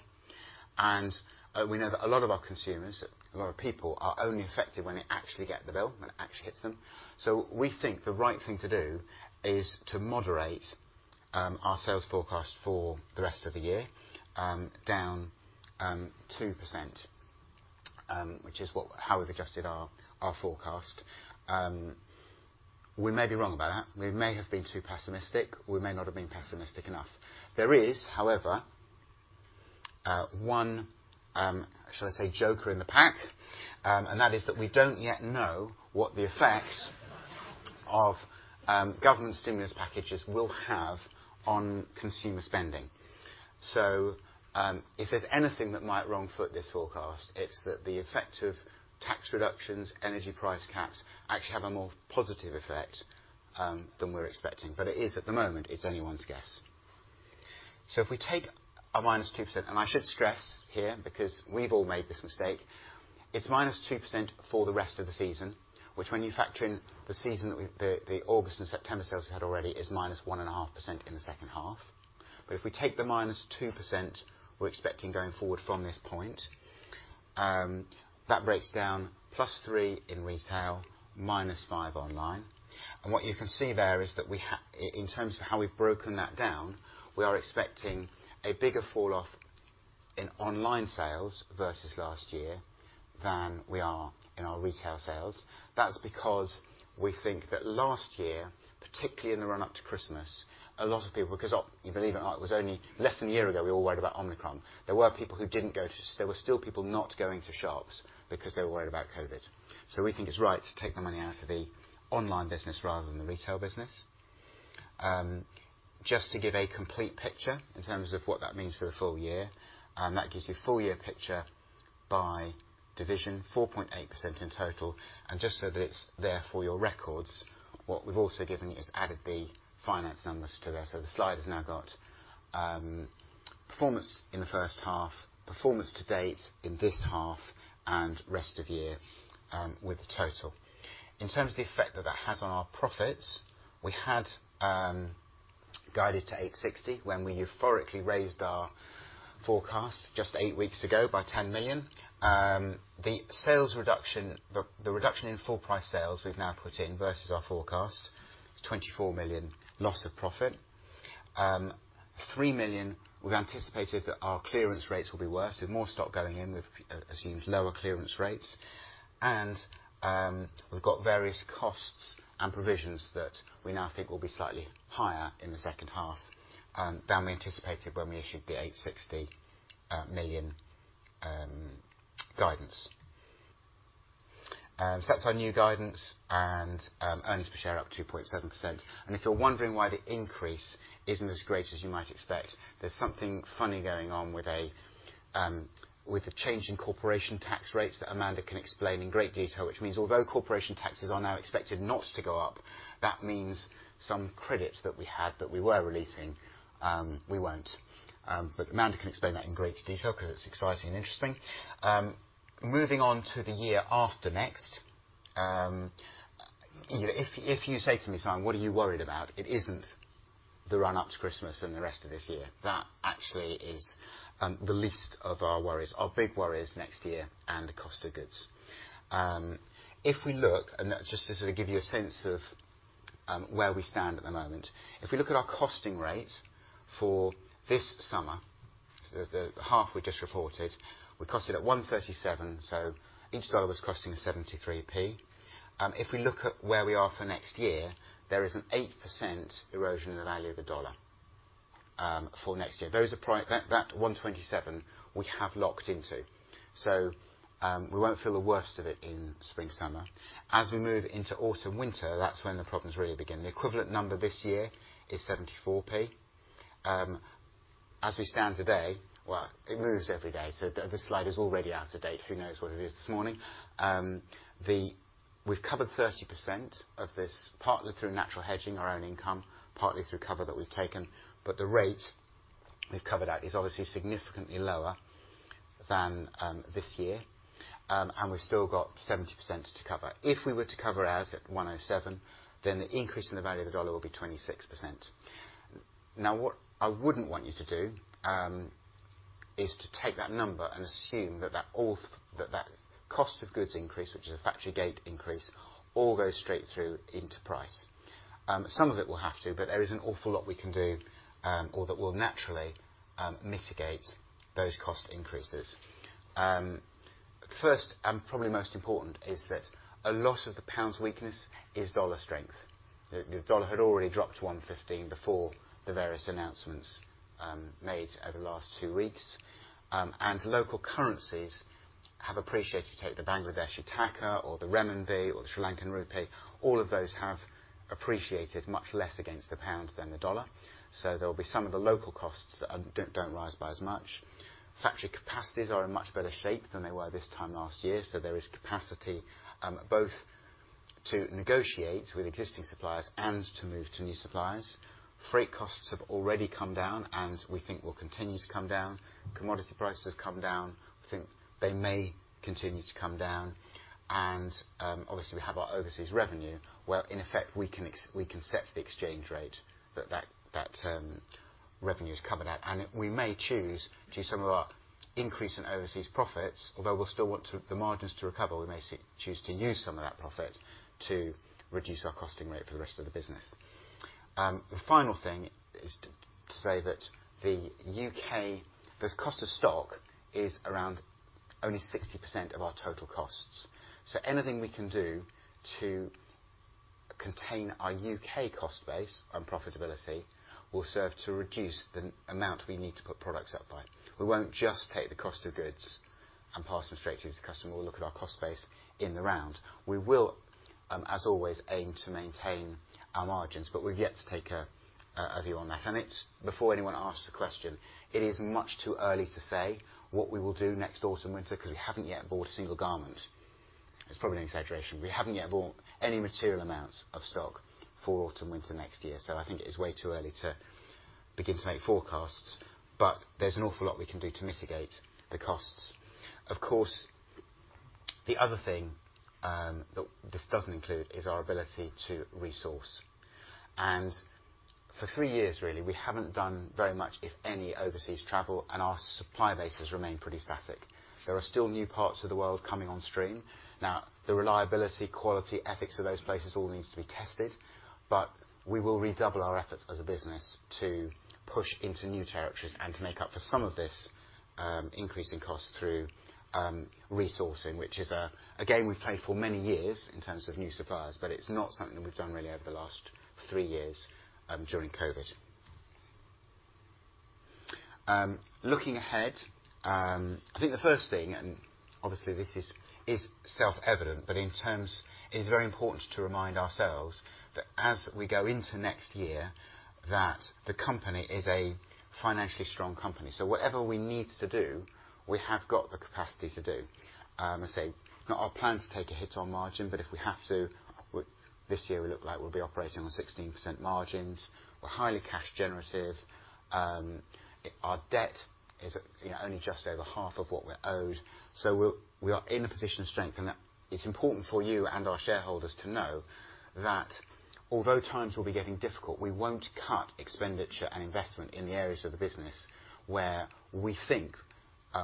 We know that a lot of our consumers, a lot of people are only affected when they actually get the bill, when it actually hits them. We think the right thing to do is to moderate our sales forecast for the rest of the year down 2%, which is how we've adjusted our forecast. We may be wrong about that. We may have been too pessimistic, or we may not have been pessimistic enough. There is, however, one, shall I say, joker in the pack, and that is that we don't yet know what the effect of government stimulus packages will have on consumer spending. If there's anything that might wrong-foot this forecast, it's that the effect of tax reductions, energy price caps actually have a more positive effect than we're expecting. It is at the moment, it's anyone's guess. If we take a minus 2%, and I should stress here, because we've all made this mistake, it's minus 2% for the rest of the season, which when you factor in the August and September sales we had already is minus 1.5% in the second half. If we take the -2% we're expecting going forward from this point, that breaks down +3% in retail, -5% online. What you can see there is that in terms of how we've broken that down, we are expecting a bigger falloff in online sales versus last year than we are in our retail sales. That's because we think that last year, particularly in the run up to Christmas, a lot of people, because believe it or not, it was only less than a year ago, we all worried about Omicron. There were still people not going to shops because they were worried about COVID. We think it's right to take the money out of the online business rather than the retail business. Just to give a complete picture in terms of what that means for the full year, that gives you full year picture by division, 4.8% in total. Just so that it's there for your records, what we've also given is added the finance numbers to there. The slide has now got performance in the first half, performance to date in this half and rest of year, with the total. In terms of the effect that that has on our profits, we had guided to 860 million when we euphorically raised our forecast just eight weeks ago by 10 million. The sales reduction, the reduction in full price sales we've now put in versus our forecast, is 24 million loss of profit. 3 million, we've anticipated that our clearance rates will be worse. We have more stock going in with assumed lower clearance rates. We've got various costs and provisions that we now think will be slightly higher in the second half than we anticipated when we issued the 860 million guidance. That's our new guidance and earnings per share up 2.7%. If you're wondering why the increase isn't as great as you might expect, there's something funny going on with the change in corporation tax rates that Amanda can explain in great detail, which means although corporation taxes are now expected not to go up, that means some credits that we had that we were releasing we won't. But Amanda can explain that in great detail 'cause it's exciting and interesting. Moving on to the year after next, you know, if you say to me, Simon, what are you worried about? It isn't the run up to Christmas and the rest of this year. That actually is the least of our worries. Our big worry is next year and the cost of goods. If we look just to sort of give you a sense of where we stand at the moment. If we look at our costing rate for this summer, the half we just reported, we cost it at 1.37, so each dollar was costing 73p. If we look at where we are for next year, there is an 8% erosion in the value of the dollar for next year. That 1.27 we have locked into. We won't feel the worst of it in spring, summer. As we move into autumn, winter, that's when the problems really begin. The equivalent number this year is 74p. As we stand today, well, it moves every day, so this slide is already out of date. Who knows what it is this morning? We've covered 30% of this, partly through natural hedging our own income, partly through cover that we've taken, but the rate we've covered that is obviously significantly lower than this year. We've still got 70% to cover. If we were to cover ours at 1.07, then the increase in the value of the dollar will be 26%. Now, what I wouldn't want you to do is to take that number and assume that all that cost of goods increase, which is a factory gate increase, all goes straight through into price. Some of it will have to, but there is an awful lot we can do, or that will naturally mitigate those cost increases. First, probably most important, is that a lot of the pound's weakness is US dollar strength. The US dollar had already dropped to 1.15 before the various announcements made over the last two weeks. Local currencies have appreciated. Take the Bangladeshi taka or the renminbi or the Sri Lankan rupee, all of those have appreciated much less against the pound than the US dollar. There will be some of the local costs that don't rise by as much. Factory capacities are in much better shape than they were this time last year, so there is capacity both to negotiate with existing suppliers and to move to new suppliers. Freight costs have already come down, and we think will continue to come down. Commodity prices have come down. We think they may continue to come down. Obviously we have our overseas revenue where, in effect, we can set the exchange rate that revenue is coming at. We may choose to use some of our increase in overseas profits, although we'll still want the margins to recover. We may choose to use some of that profit to reduce our costing rate for the rest of the business. The final thing is to say that the UK... The cost of stock is around only 60% of our total costs. Anything we can do to contain our UK cost base and profitability will serve to reduce the amount we need to put products up by. We won't just take the cost of goods and pass them straight through to the customer. We'll look at our cost base in the round. We will, as always, aim to maintain our margins, but we've yet to take a view on that. Before anyone asks the question, it is much too early to say what we will do next autumn/winter 'cause we haven't yet bought a single garment. It's probably an exaggeration. We haven't yet bought any material amounts of stock for autumn/winter next year, so I think it is way too early to begin to make forecasts. There's an awful lot we can do to mitigate the costs. Of course, the other thing that this doesn't include is our ability to resource. For three years, really, we haven't done very much, if any, overseas travel, and our supply base has remained pretty static. There are still new parts of the world coming on stream. Now, the reliability, quality, ethics of those places all needs to be tested. We will redouble our efforts as a business to push into new territories and to make up for some of this increase in cost through resourcing, which is a game we've played for many years in terms of new suppliers. It's not something we've done really over the last three years during COVID. Looking ahead, I think the first thing, obviously this is self-evident, but in terms. It is very important to remind ourselves that as we go into next year, that the company is a financially strong company. So whatever we need to do, we have got the capacity to do. I say, not our plan to take a hit on margin, but if we have to, this year we look like we'll be operating on 16% margins. We're highly cash generative. Our debt is, you know, only just over half of what we're owed. So we're in a position of strength, and it's important for you and our shareholders to know that although times will be getting difficult, we won't cut expenditure and investment in the areas of the business where we think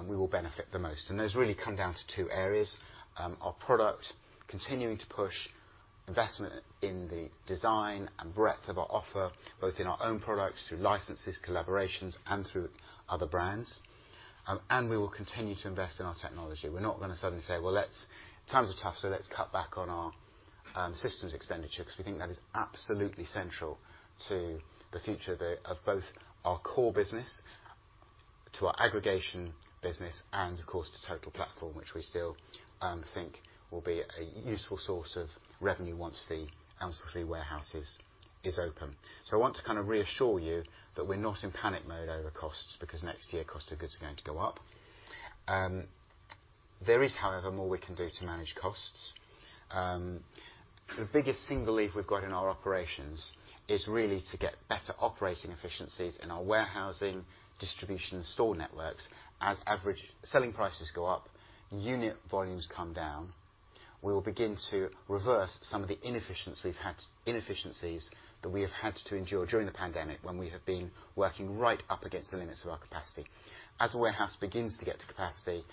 we will benefit the most. Those really come down to two areas. Our product, continuing to push investment in the design and breadth of our offer, both in our own products through licenses, collaborations and through other brands. We will continue to invest in our technology. We're not gonna suddenly say, "Well, Times are tough, so let's cut back on our systems expenditure," 'cause we think that is absolutely central to the future of both our core business, to our aggregation business and of course to Total Platform, which we still think will be a useful source of revenue once the Elmsall warehouse is open. I want to kind of reassure you that we're not in panic mode over costs because next year costs of goods are going to go up. There is, however, more we can do to manage costs. The biggest single lever we've got in our operations is really to get better operating efficiencies in our warehousing, distribution and store networks. As average selling prices go up, unit volumes come down. We will begin to reverse some of the inefficiencies we've had to endure during the pandemic when we have been working right up against the limits of our capacity. As a warehouse begins to get to capacity,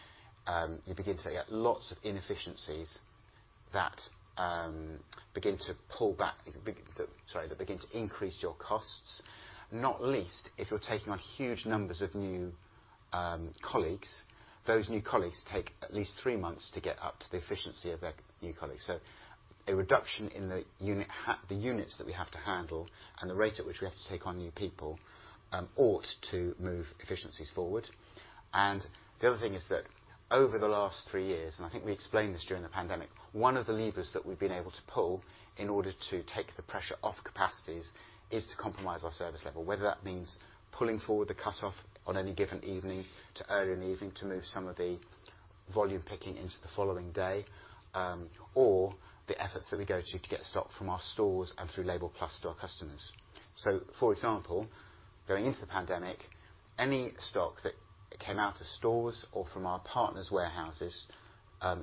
you begin to get lots of inefficiencies that begin to increase your costs, not least if you're taking on huge numbers of new colleagues. Those new colleagues take at least three months to get up to the efficiency of their new colleagues. A reduction in the units that we have to handle and the rate at which we have to take on new people ought to move efficiencies forward. The other thing is that over the last three years, and I think we explained this during the pandemic, one of the levers that we've been able to pull in order to take the pressure off capacities is to compromise our service level. Whether that means pulling forward the cutoff on any given evening to earlier in the evening to move some of the volume picking into the following day, or the efforts that we go to to get stock from our stores and through LABEL+ to our customers. For example, going into the pandemic, any stock that came out of stores or from our partners' warehouses,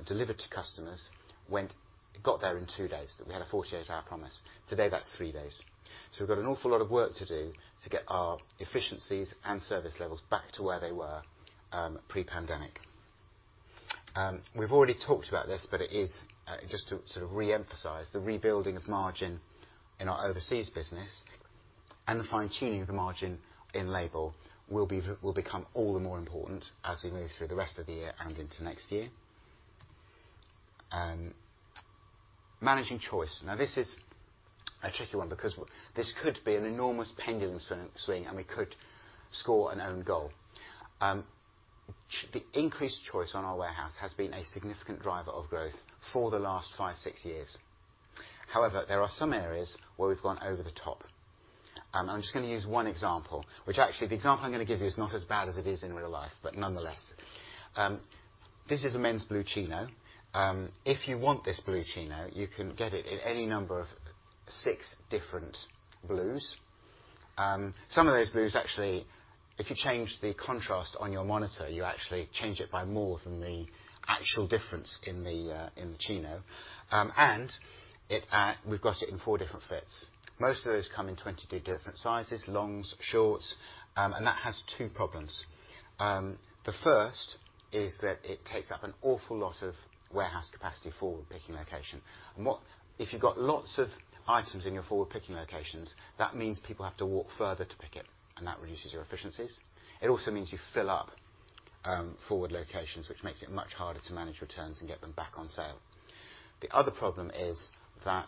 delivered to customers, went. It got there in 2 days. We had a 48-hour promise. Today, that's 3 days. We've got an awful lot of work to do to get our efficiencies and service levels back to where they were pre-pandemic. We've already talked about this, but it is just to sort of reemphasize, the rebuilding of margin in our overseas business. The fine-tuning of the margin in LABEL will become all the more important as we move through the rest of the year and into next year. Managing choice. Now, this is a tricky one because this could be an enormous pendulum swing, and we could score an own goal. The increased choice on our warehouse has been a significant driver of growth for the last 5, 6 years. However, there are some areas where we've gone over the top. I'm just gonna use one example, which actually the example I'm gonna give you is not as bad as it is in real life, but nonetheless. This is a men's blue chino. If you want this blue chino, you can get it in any number of 6 different blues. Some of those blues, actually, if you change the contrast on your monitor, you actually change it by more than the actual difference in the chino. We've got it in 4 different fits. Most of those come in 22 different sizes, longs, shorts, and that has two problems. The first is that it takes up an awful lot of warehouse capacity for picking location. If you've got lots of items in your forward-picking locations, that means people have to walk further to pick it, and that reduces your efficiencies. It also means you fill up forward locations, which makes it much harder to manage returns and get them back on sale. The other problem is that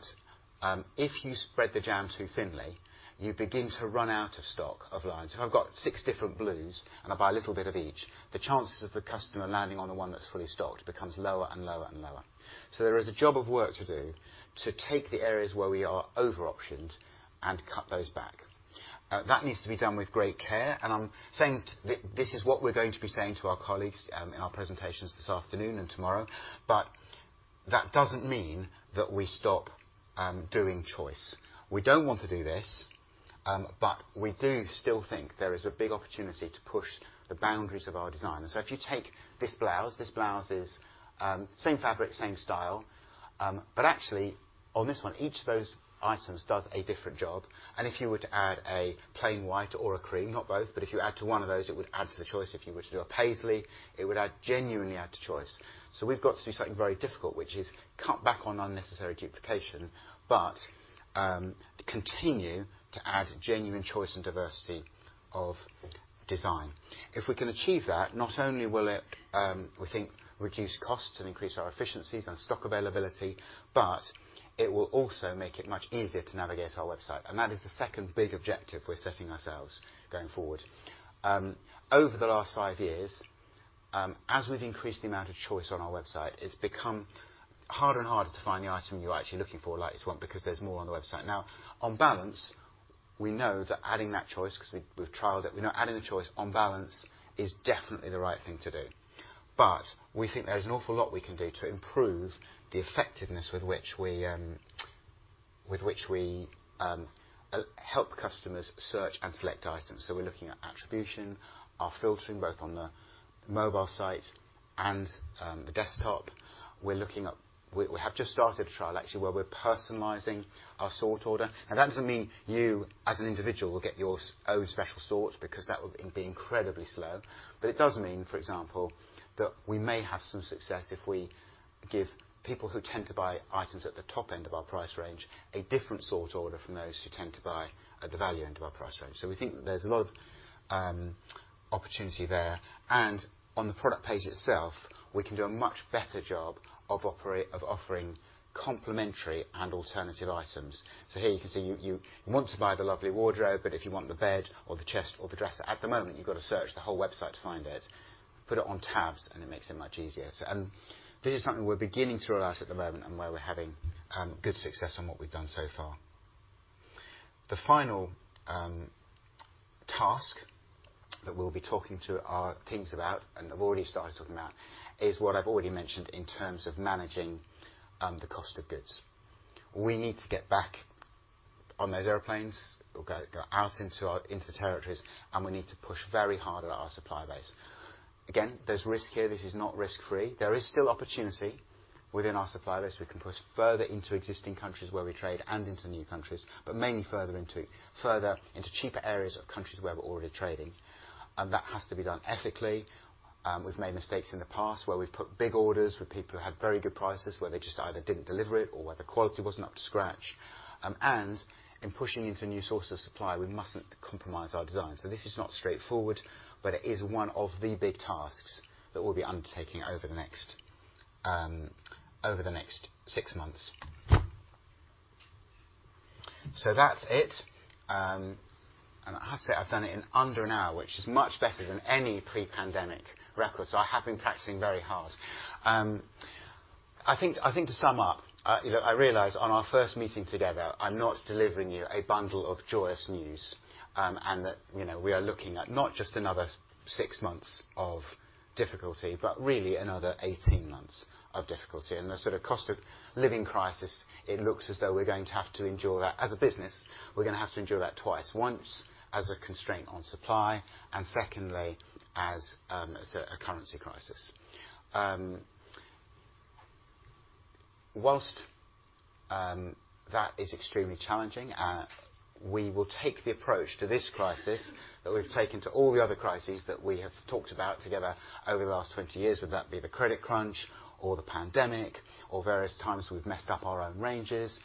if you spread the jam too thinly, you begin to run out of stock of lines. If I've got six different blues and I buy a little bit of each, the chances of the customer landing on the one that's fully stocked becomes lower and lower and lower. There is a job of work to do to take the areas where we are over-optioned and cut those back. That needs to be done with great care, and I'm saying this is what we're going to be saying to our colleagues in our presentations this afternoon and tomorrow. That doesn't mean that we stop doing choice. We don't want to do this, but we do still think there is a big opportunity to push the boundaries of our design. If you take this blouse, this blouse is same fabric, same style, but actually on this one, each of those items does a different job. If you were to add a plain white or a cream, not both, but if you add to one of those, it would add to the choice. If you were to do a paisley, it would add, genuinely add to choice. We've got to do something very difficult, which is cut back on unnecessary duplication, but continue to add genuine choice and diversity of design. If we can achieve that, not only will it, we think reduce costs and increase our efficiencies and stock availability, but it will also make it much easier to navigate our website. That is the second big objective we're setting ourselves going forward. Over the last five years, as we've increased the amount of choice on our website, it's become harder and harder to find the item you're actually looking for, the right one, because there's more on the website. Now, on balance, we know that adding that choice, 'cause we've trialed it, we know adding the choice on balance is definitely the right thing to do. We think there is an awful lot we can do to improve the effectiveness with which we help customers search and select items. We're looking at attribution, our filtering, both on the mobile site and the desktop. We have just started a trial actually, where we're personalizing our sort order. Now that doesn't mean you as an individual will get your own special sort, because that would be incredibly slow. It does mean, for example, that we may have some success if we give people who tend to buy items at the top end of our price range a different sort order from those who tend to buy at the value end of our price range. We think that there's a lot of opportunity there. On the product page itself, we can do a much better job of offering complimentary and alternative items. Here you can see, you want to buy the lovely wardrobe, but if you want the bed or the chest or the dresser, at the moment, you've got to search the whole website to find it. Put it on tabs, and it makes it much easier. This is something we're beginning to roll out at the moment and where we're having good success on what we've done so far. The final task that we'll be talking to our teams about, and I've already started talking about, is what I've already mentioned in terms of managing the cost of goods. We need to get back on those airplanes, go, go out into our territories, and we need to push very hard at our supply base. Again, there's risk here. This is not risk-free. There is still opportunity within our supply base. We can push further into existing countries where we trade and into new countries, but mainly further into cheaper areas of countries where we're already trading. That has to be done ethically. We've made mistakes in the past where we've put big orders with people who had very good prices, where they just either didn't deliver it or where the quality wasn't up to scratch. In pushing into new sources of supply, we mustn't compromise our design. This is not straightforward, but it is one of the big tasks that we'll be undertaking over the next 6 months. That's it. I have to say I've done it in under an hour, which is much better than any pre-pandemic record. I have been practicing very hard. I think to sum up, you know, I realize on our first meeting together, I'm not delivering you a bundle of joyous news. That, you know, we are looking at not just another 6 months of difficulty, but really another 18 months of difficulty. The sort of cost of living crisis, it looks as though we're going to have to endure that. As a business, we're gonna have to endure that twice, once as a constraint on supply, and secondly as a currency crisis. While that is extremely challenging, we will take the approach to this crisis that we've taken to all the other crises that we have talked about together over the last 20 years, whether that be the credit crunch or the pandemic, or various times we've messed up our own ranges.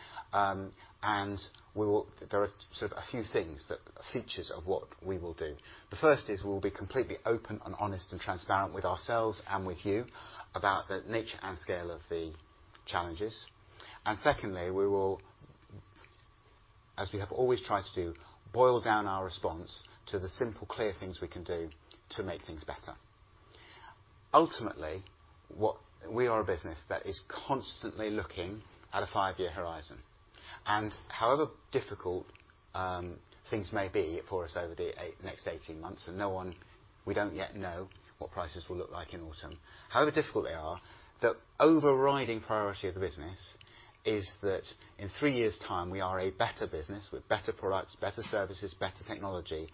There are sort of a few things that, features of what we will do. The first is we will be completely open and honest and transparent with ourselves and with you about the nature and scale of the challenges. Secondly, we will, as we have always tried to do, boil down our response to the simple, clear things we can do to make things better. Ultimately, we are a business that is constantly looking at a five-year horizon. However difficult things may be for us over the next eighteen months, we don't yet know what prices will look like in autumn. However difficult they are, the overriding priority of the business is that in three years' time, we are a better business with better products, better services, better technology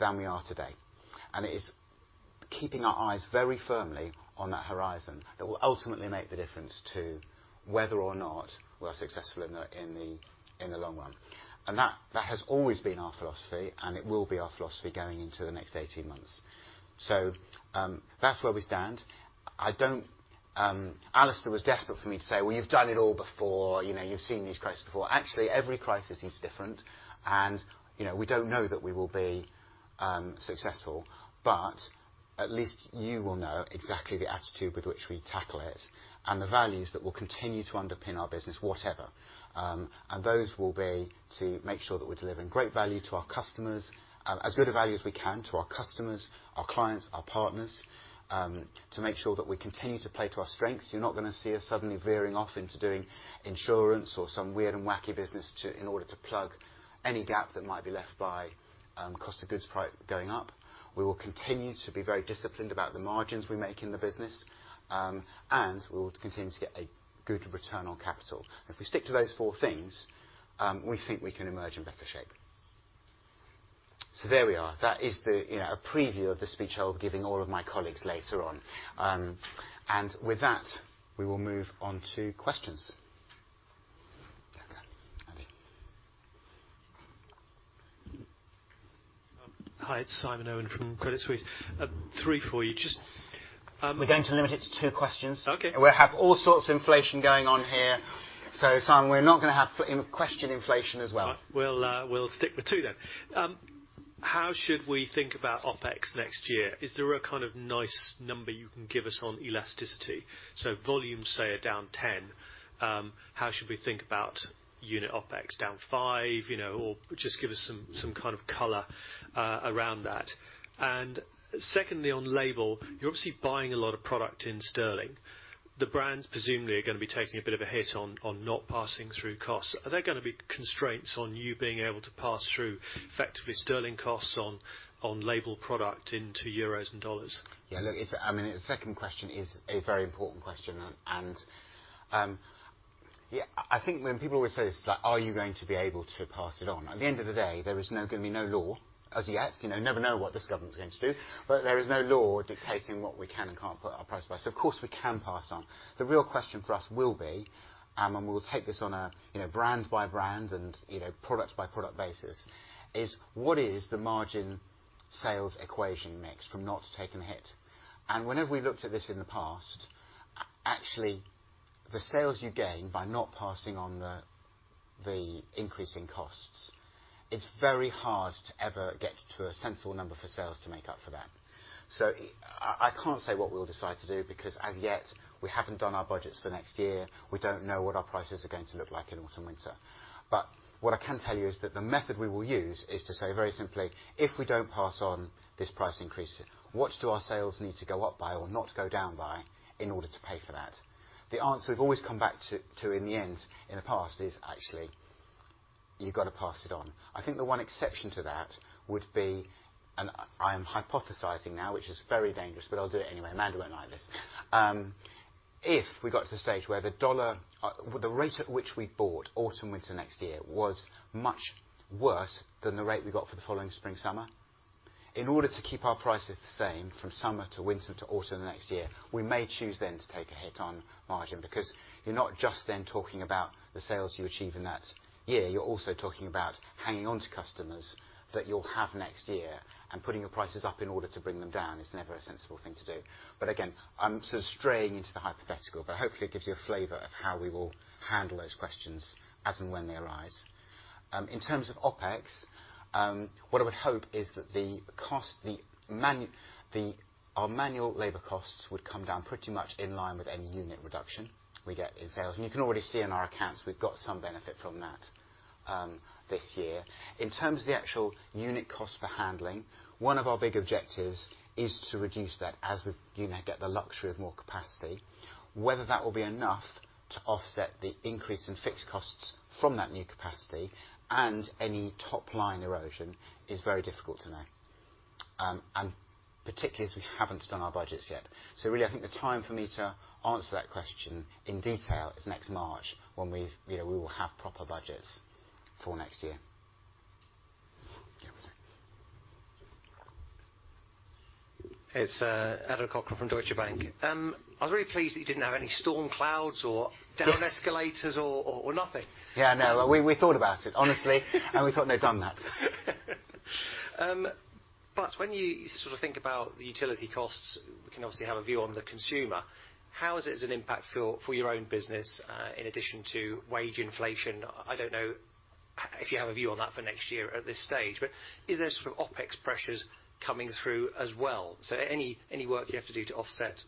than we are today. It is keeping our eyes very firmly on that horizon that will ultimately make the difference to whether or not we are successful in the long run. That has always been our philosophy, and it will be our philosophy going into the next eighteen months. That's where we stand. I don't Alistair was desperate for me to say, "Well, you've done it all before. You know, you've seen these crises before." Actually, every crisis is different. You know, we don't know that we will be successful. At least you will know exactly the attitude with which we tackle it and the values that will continue to underpin our business, whatever. Those will be to make sure that we're delivering great value to our customers, as good a value as we can to our customers, our clients, our partners, to make sure that we continue to play to our strengths. You're not gonna see us suddenly veering off into doing insurance or some weird and wacky business to, in order to plug any gap that might be left by cost of goods price going up. We will continue to be very disciplined about the margins we make in the business, and we will continue to get a good return on capital. If we stick to those four things, we think we can emerge in better shape. There we are. That is, you know, a preview of the speech I will be giving all of my colleagues later on. With that, we will move on to questions. There we go. Andy. Hi. It's Simon Irwin from Credit Suisse. Three for you. Just, We're going to limit it to two questions. Okay. We have all sorts of inflation going on here, so Simon, we're not gonna have question inflation as well. We'll stick with two then. How should we think about OpEx next year? Is there a kind of nice number you can give us on elasticity? Volumes, say, are down 10%, how should we think about unit OpEx? Down 5%? You know, or just give us some kind of color around that. Secondly, on LABEL, you're obviously buying a lot of product in sterling. The brands presumably are gonna be taking a bit of a hit on not passing through costs. Are there gonna be constraints on you being able to pass through effectively sterling costs on LABEL product into euros and dollars? Look, I mean, the second question is a very important question and, I think when people always say this, like, "Are you going to be able to pass it on?" At the end of the day, there is no gonna be no law as yet. You know, never know what this government's going to do. There is no law dictating what we can and can't put our price by. Of course, we can pass on. The real question for us will be, and we'll take this on a, you know, brand by brand and, you know, product by product basis, is what is the margin sales equation mix from not taking the hit? Whenever we've looked at this in the past, actually, the sales you gain by not passing on the increase in costs, it's very hard to ever get to a sensible number for sales to make up for that. So I can't say what we'll decide to do because as yet, we haven't done our budgets for next year. We don't know what our prices are going to look like in autumn, winter. What I can tell you is that the method we will use is to say very simply, if we don't pass on this price increase, what do our sales need to go up by or not go down by in order to pay for that? The answer we've always come back to in the end, in the past is actually, you've got to pass it on. I think the one exception to that would be, and I am hypothesizing now, which is very dangerous, but I'll do it anyway. Amanda won't like this. If we got to the stage where the dollar, the rate at which we bought autumn, winter next year was much worse than the rate we got for the following spring, summer, in order to keep our prices the same from summer to winter to autumn the next year, we may choose then to take a hit on margin, because you're not just then talking about the sales you achieve in that year. You're also talking about hanging on to customers that you'll have next year and putting your prices up in order to bring them down is never a sensible thing to do. Again, I'm sort of straying into the hypothetical, but hopefully it gives you a flavor of how we will handle those questions as and when they arise. In terms of OpEx, what I would hope is that the cost, our manual labor costs would come down pretty much in line with any unit reduction we get in sales. You can already see in our accounts, we've got some benefit from that, this year. In terms of the actual unit cost for handling, one of our big objectives is to reduce that as we, you know, get the luxury of more capacity. Whether that will be enough to offset the increase in fixed costs from that new capacity and any top-line erosion is very difficult to know, and particularly as we haven't done our budgets yet. Really, I think the time for me to answer that question in detail is next March when we've, you know, we will have proper budgets for next year. It's Adam Cochrane from Deutsche Bank. I was very pleased that you didn't have any storm clouds or down escalators or nothing. Yeah, no. We thought about it, honestly. We thought, "No, darn that. When you sort of think about the utility costs, we can obviously have a view on the consumer, how is it as an impact for your own business in addition to wage inflation? I don't know if you have a view on that for next year at this stage. Is there sort of OpEx pressures coming through as well? Any work you have to do to offset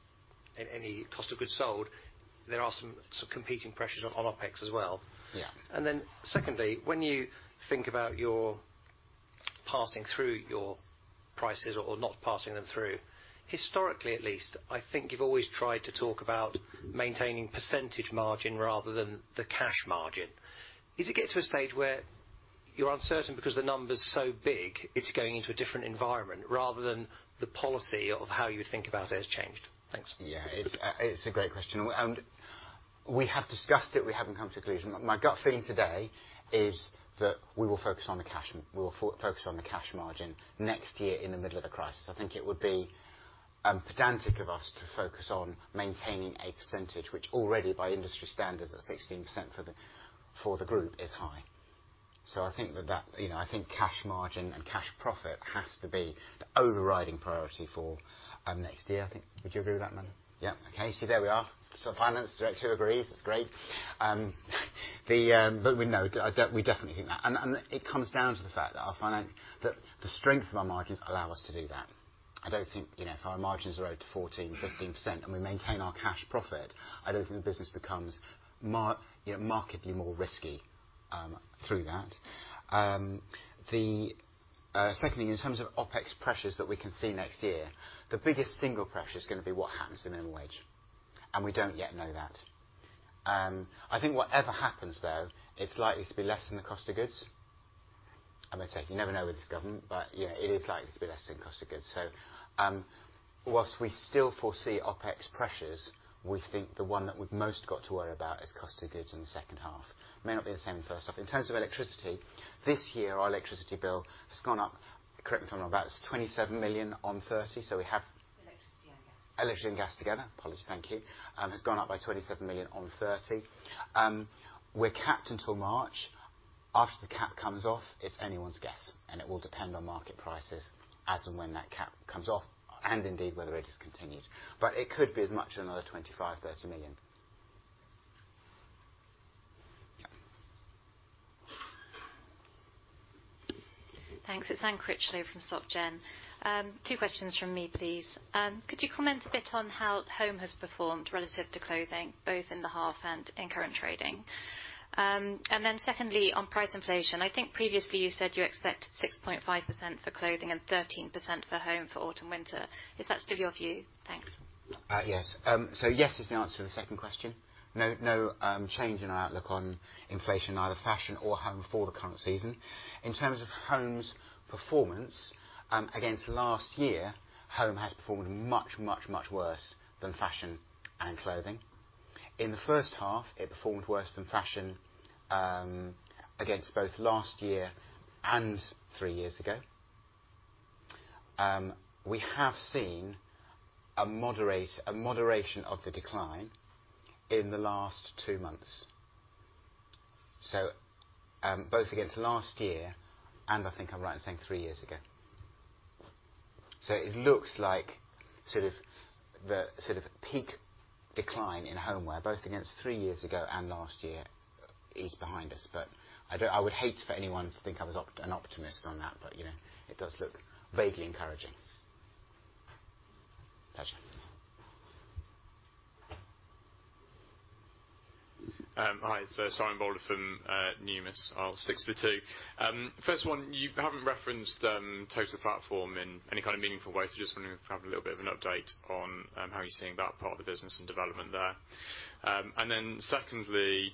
any cost of goods sold, there are some competing pressures on OpEx as well. Yeah. Secondly, when you think about your passing through your prices or not passing them through, historically, at least, I think you've always tried to talk about maintaining percentage margin rather than the cash margin. Is it getting to a stage where you're uncertain because the number's so big, it's going into a different environment rather than the policy of how you would think about it has changed? Thanks. Yeah. It's a great question. We have discussed it. We haven't come to a conclusion. My gut feeling today is that we will focus on the cash margin next year in the middle of the crisis. I think it would be pedantic of us to focus on maintaining a percentage, which already by industry standards at 16% for the group is high. You know, I think cash margin and cash profit has to be the overriding priority for next year, I think. Would you agree with that, Manny? Yeah. Okay. See, there we are. Finance Director agrees. That's great. We know. We definitely think that. It comes down to the fact that the strength of our margins allow us to do that. I don't think, you know, if our margins are only 14%-15% and we maintain our cash profit, I don't think the business becomes markedly more risky through that. The second thing, in terms of OpEx pressures that we can see next year, the biggest single pressure is gonna be what happens to minimum wage, and we don't yet know that. I think whatever happens though, it's likely to be less than the cost of goods. As I say, you know, it is likely to be less than cost of goods. While we still foresee OpEx pressures, we think the one that we've most got to worry about is cost of goods in the second half. May not be the same in the first half. In terms of electricity, this year our electricity bill has gone up, correct me if I'm wrong, about 27 million on 30 million. Electricity and gas. Electricity and gas together. Apologies, thank you. Has gone up by 27 million on 30. We're capped until March. After the cap comes off, it's anyone's guess, and it will depend on market prices as and when that cap comes off, and indeed, whether it is continued. It could be as much another 25 million-30 million. Thanks. It's Anne Critchlow from SocGen. Two questions from me, please. Could you comment a bit on how home has performed relative to clothing, both in the half and in current trading? Secondly, on price inflation, I think previously you said you expect 6.5% for clothing and 13% for home for autumn winter. Is that still your view? Thanks. Yes is the answer to the second question. No change in our outlook on inflation, either fashion or home for the current season. In terms of home's performance, against last year, home has performed much worse than fashion and clothing. In the first half, it performed worse than fashion, against both last year and three years ago. We have seen a moderation of the decline in the last two months, both against last year and I think I'm right in saying three years ago. It looks like sort of the peak decline in homeware, both against three years ago and last year is behind us. But I don't. I would hate for anyone to think I was an optimist on that, but you know, it does look vaguely encouraging. Tasha. Hi. Simon Bowler from Numis. I'll stick to two. First one, you haven't referenced Total Platform in any kind of meaningful way, so just wondering if we can have a little bit of an update on how you're seeing that part of the business and development there. And then secondly,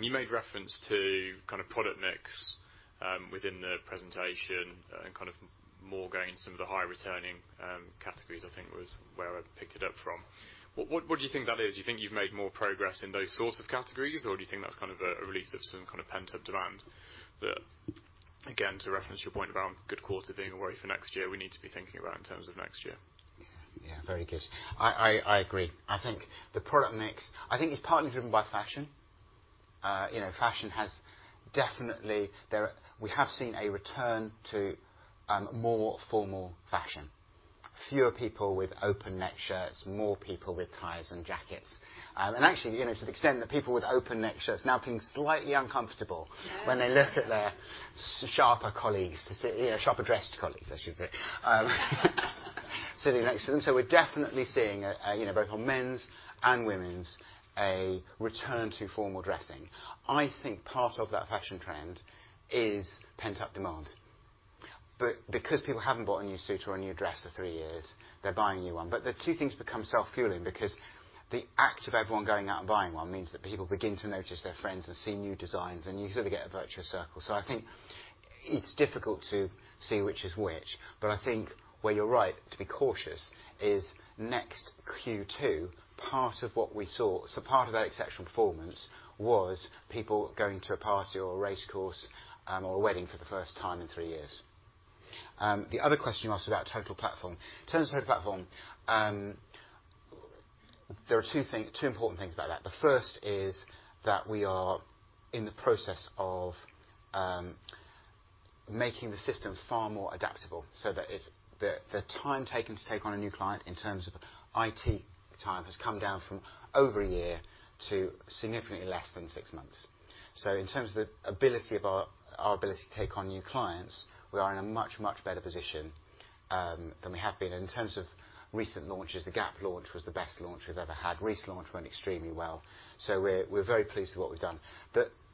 you made reference to kind of product mix within the presentation and kind of more going into some of the higher returning categories, I think was where I picked it up from. What do you think that is? Do you think you've made more progress in those sorts of categories, or do you think that's kind of a release of some kind of pent-up demand that, again, to reference your point around good quarter being a worry for next year, we need to be thinking about in terms of next year? Yeah. Yeah, very good. I agree. I think the product mix is partly driven by fashion. Fashion has definitely. We have seen a return to more formal fashion. Fewer people with open neck shirts, more people with ties and jackets. To the extent that people with open neck shirts now feel slightly uncomfortable when they look at their sharper dressed colleagues, I should say, sitting next to them. We're definitely seeing both on men's and women's a return to formal dressing. I think part of that fashion trend is pent-up demand. Because people haven't bought a new suit or a new dress for three years, they're buying a new one. The two things become self-fueling because the act of everyone going out and buying one means that people begin to notice their friends and see new designs, and you sort of get a virtuous circle. I think it's difficult to see which is which. I think where you're right to be cautious is NEXT Q2. Part of what we saw, so part of that exceptional performance was people going to a party or a race course, or a wedding for the first time in three years. The other question you asked about Total Platform. In terms of Total Platform, there are two important things about that. The first is that we are in the process of making the system far more adaptable, so that it's the time taken to take on a new client in terms of IT time has come down from over a year to significantly less than six months. So in terms of the ability of our ability to take on new clients, we are in a much much better position than we have been. In terms of recent launches, the Gap launch was the best launch we've ever had. Reiss launch went extremely well. So we're very pleased with what we've done.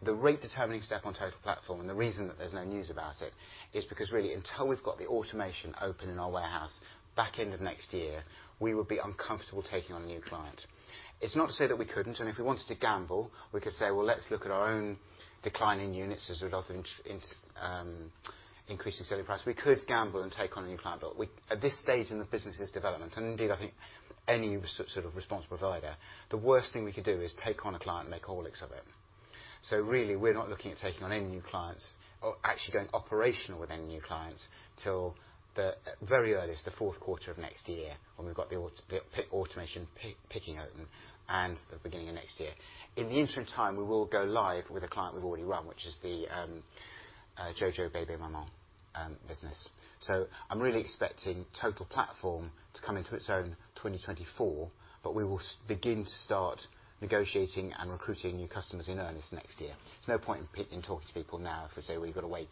The rate determining step on Total Platform, and the reason that there's no news about it is because really, until we've got the automation open in our warehouse back end of next year, we would be uncomfortable taking on a new client. It's not to say that we couldn't, and if we wanted to gamble, we could say, "Well, let's look at our own declining units as a result of increasing selling price." We could gamble and take on a new client. At this stage in the business' development, and indeed, I think any sort of responsible provider, the worst thing we could do is take on a client and make a hash of it. Really, we're not looking at taking on any new clients or actually going operational with any new clients till the very earliest, the fourth quarter of next year when we've got the automation picking open and the beginning of next year. In the interim time, we will go live with a client we've already run, which is the JoJo Maman Bébé business. I'm really expecting Total Platform to come into its own 2024, but we will start negotiating and recruiting new customers in earnest next year. There's no point in talking to people now if we say, "Well, you've got to wait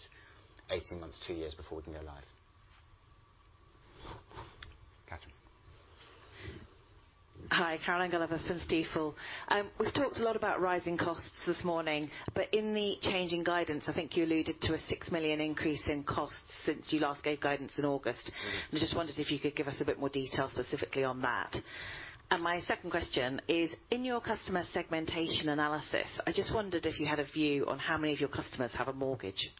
18 months, 2 years before we can go live." Catherine. Hi, Caroline Gulliver from Stifel. We've talked a lot about rising costs this morning, but in the changing guidance, I think you alluded to a 6 million increase in costs since you last gave guidance in August I just wondered if you could give us a bit more detail specifically on that. My second question is, in your customer segmentation analysis, I just wondered if you had a view on how many of your customers have a mortgage.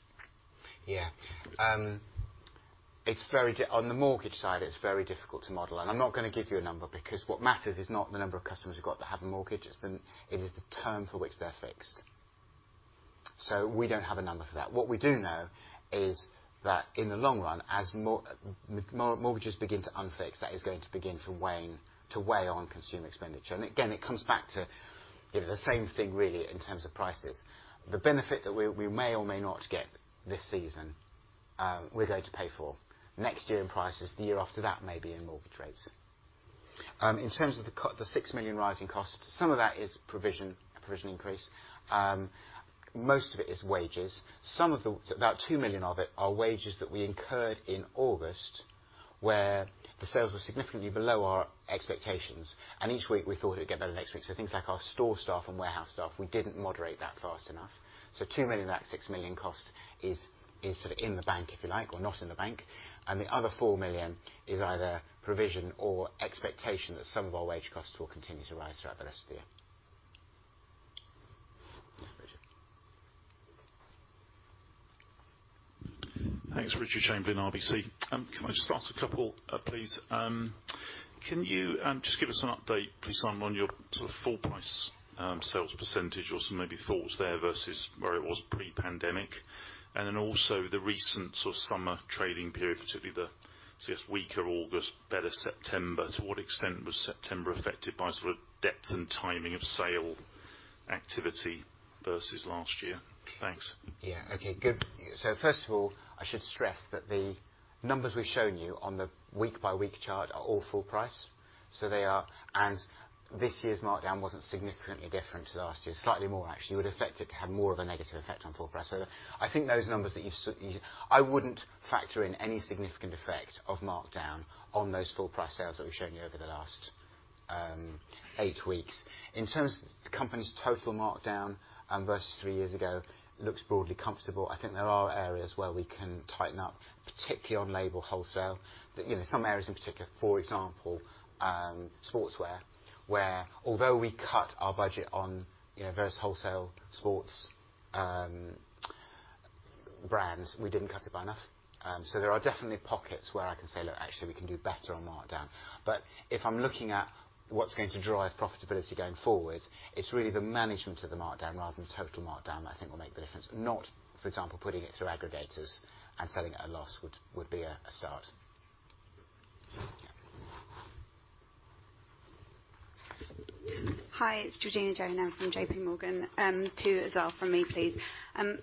On the mortgage side, it's very difficult to model. I'm not gonna give you a number because what matters is not the number of customers you've got that have a mortgage, it is the term for which they're fixed. We don't have a number for that. What we do know is that in the long run, as mortgages begin to unfix, that is going to begin to wane, to weigh on consumer expenditure. Again, it comes back to, you know, the same thing really, in terms of prices. The benefit that we may or may not get this season, we're going to pay for next year in prices, the year after that, maybe in mortgage rates. In terms of the 6 million rising costs, some of that is a provision increase. Most of it is wages. About two million of it are wages that we incurred in August, where the sales were significantly below our expectations. Each week, we thought it'd get better next week. Things like our store staff and warehouse staff, we didn't moderate that fast enough. Two million of that six million cost is sort of in the bank, if you like, or not in the bank. The other four million is either provision or expectation that some of our wage costs will continue to rise throughout the rest of the year. Richard. Thanks. Richard Chamberlain, RBC. Can I just ask a couple, please? Can you just give us an update, please, Simon, on your sort of full price sales percentage or some maybe thoughts there versus where it was pre-pandemic? The recent sort of summer trading period, particularly the sort of weaker August, better September. To what extent was September affected by sort of depth and timing of sale activity versus last year? Thanks. Yeah. Okay, good. First of all, I should stress that the numbers we've shown you on the week by week chart are all full price. They are. This year's markdown wasn't significantly different to last year's. Slightly more, actually. It would affect it to have more of a negative effect on full price. I think those numbers that you've seen. I wouldn't factor in any significant effect of markdown on those full price sales that we've shown you over the last eight weeks. In terms of the company's total markdown versus three years ago, looks broadly comfortable. I think there are areas where we can tighten up, particularly on LABEL wholesale. You know, some areas in particular, for example, sportswear, where although we cut our budget on, you know, various wholesale sports brands, we didn't cut it by enough. There are definitely pockets where I can say, "Look, actually, we can do better on markdown." If I'm looking at what's going to drive profitability going forward, it's really the management of the markdown rather than the total markdown I think will make the difference. Not, for example, putting it through aggregators and selling at a loss would be a start. Yeah. Hi, it's Georgina Johanan from J.P. Morgan. Two as well from me, please.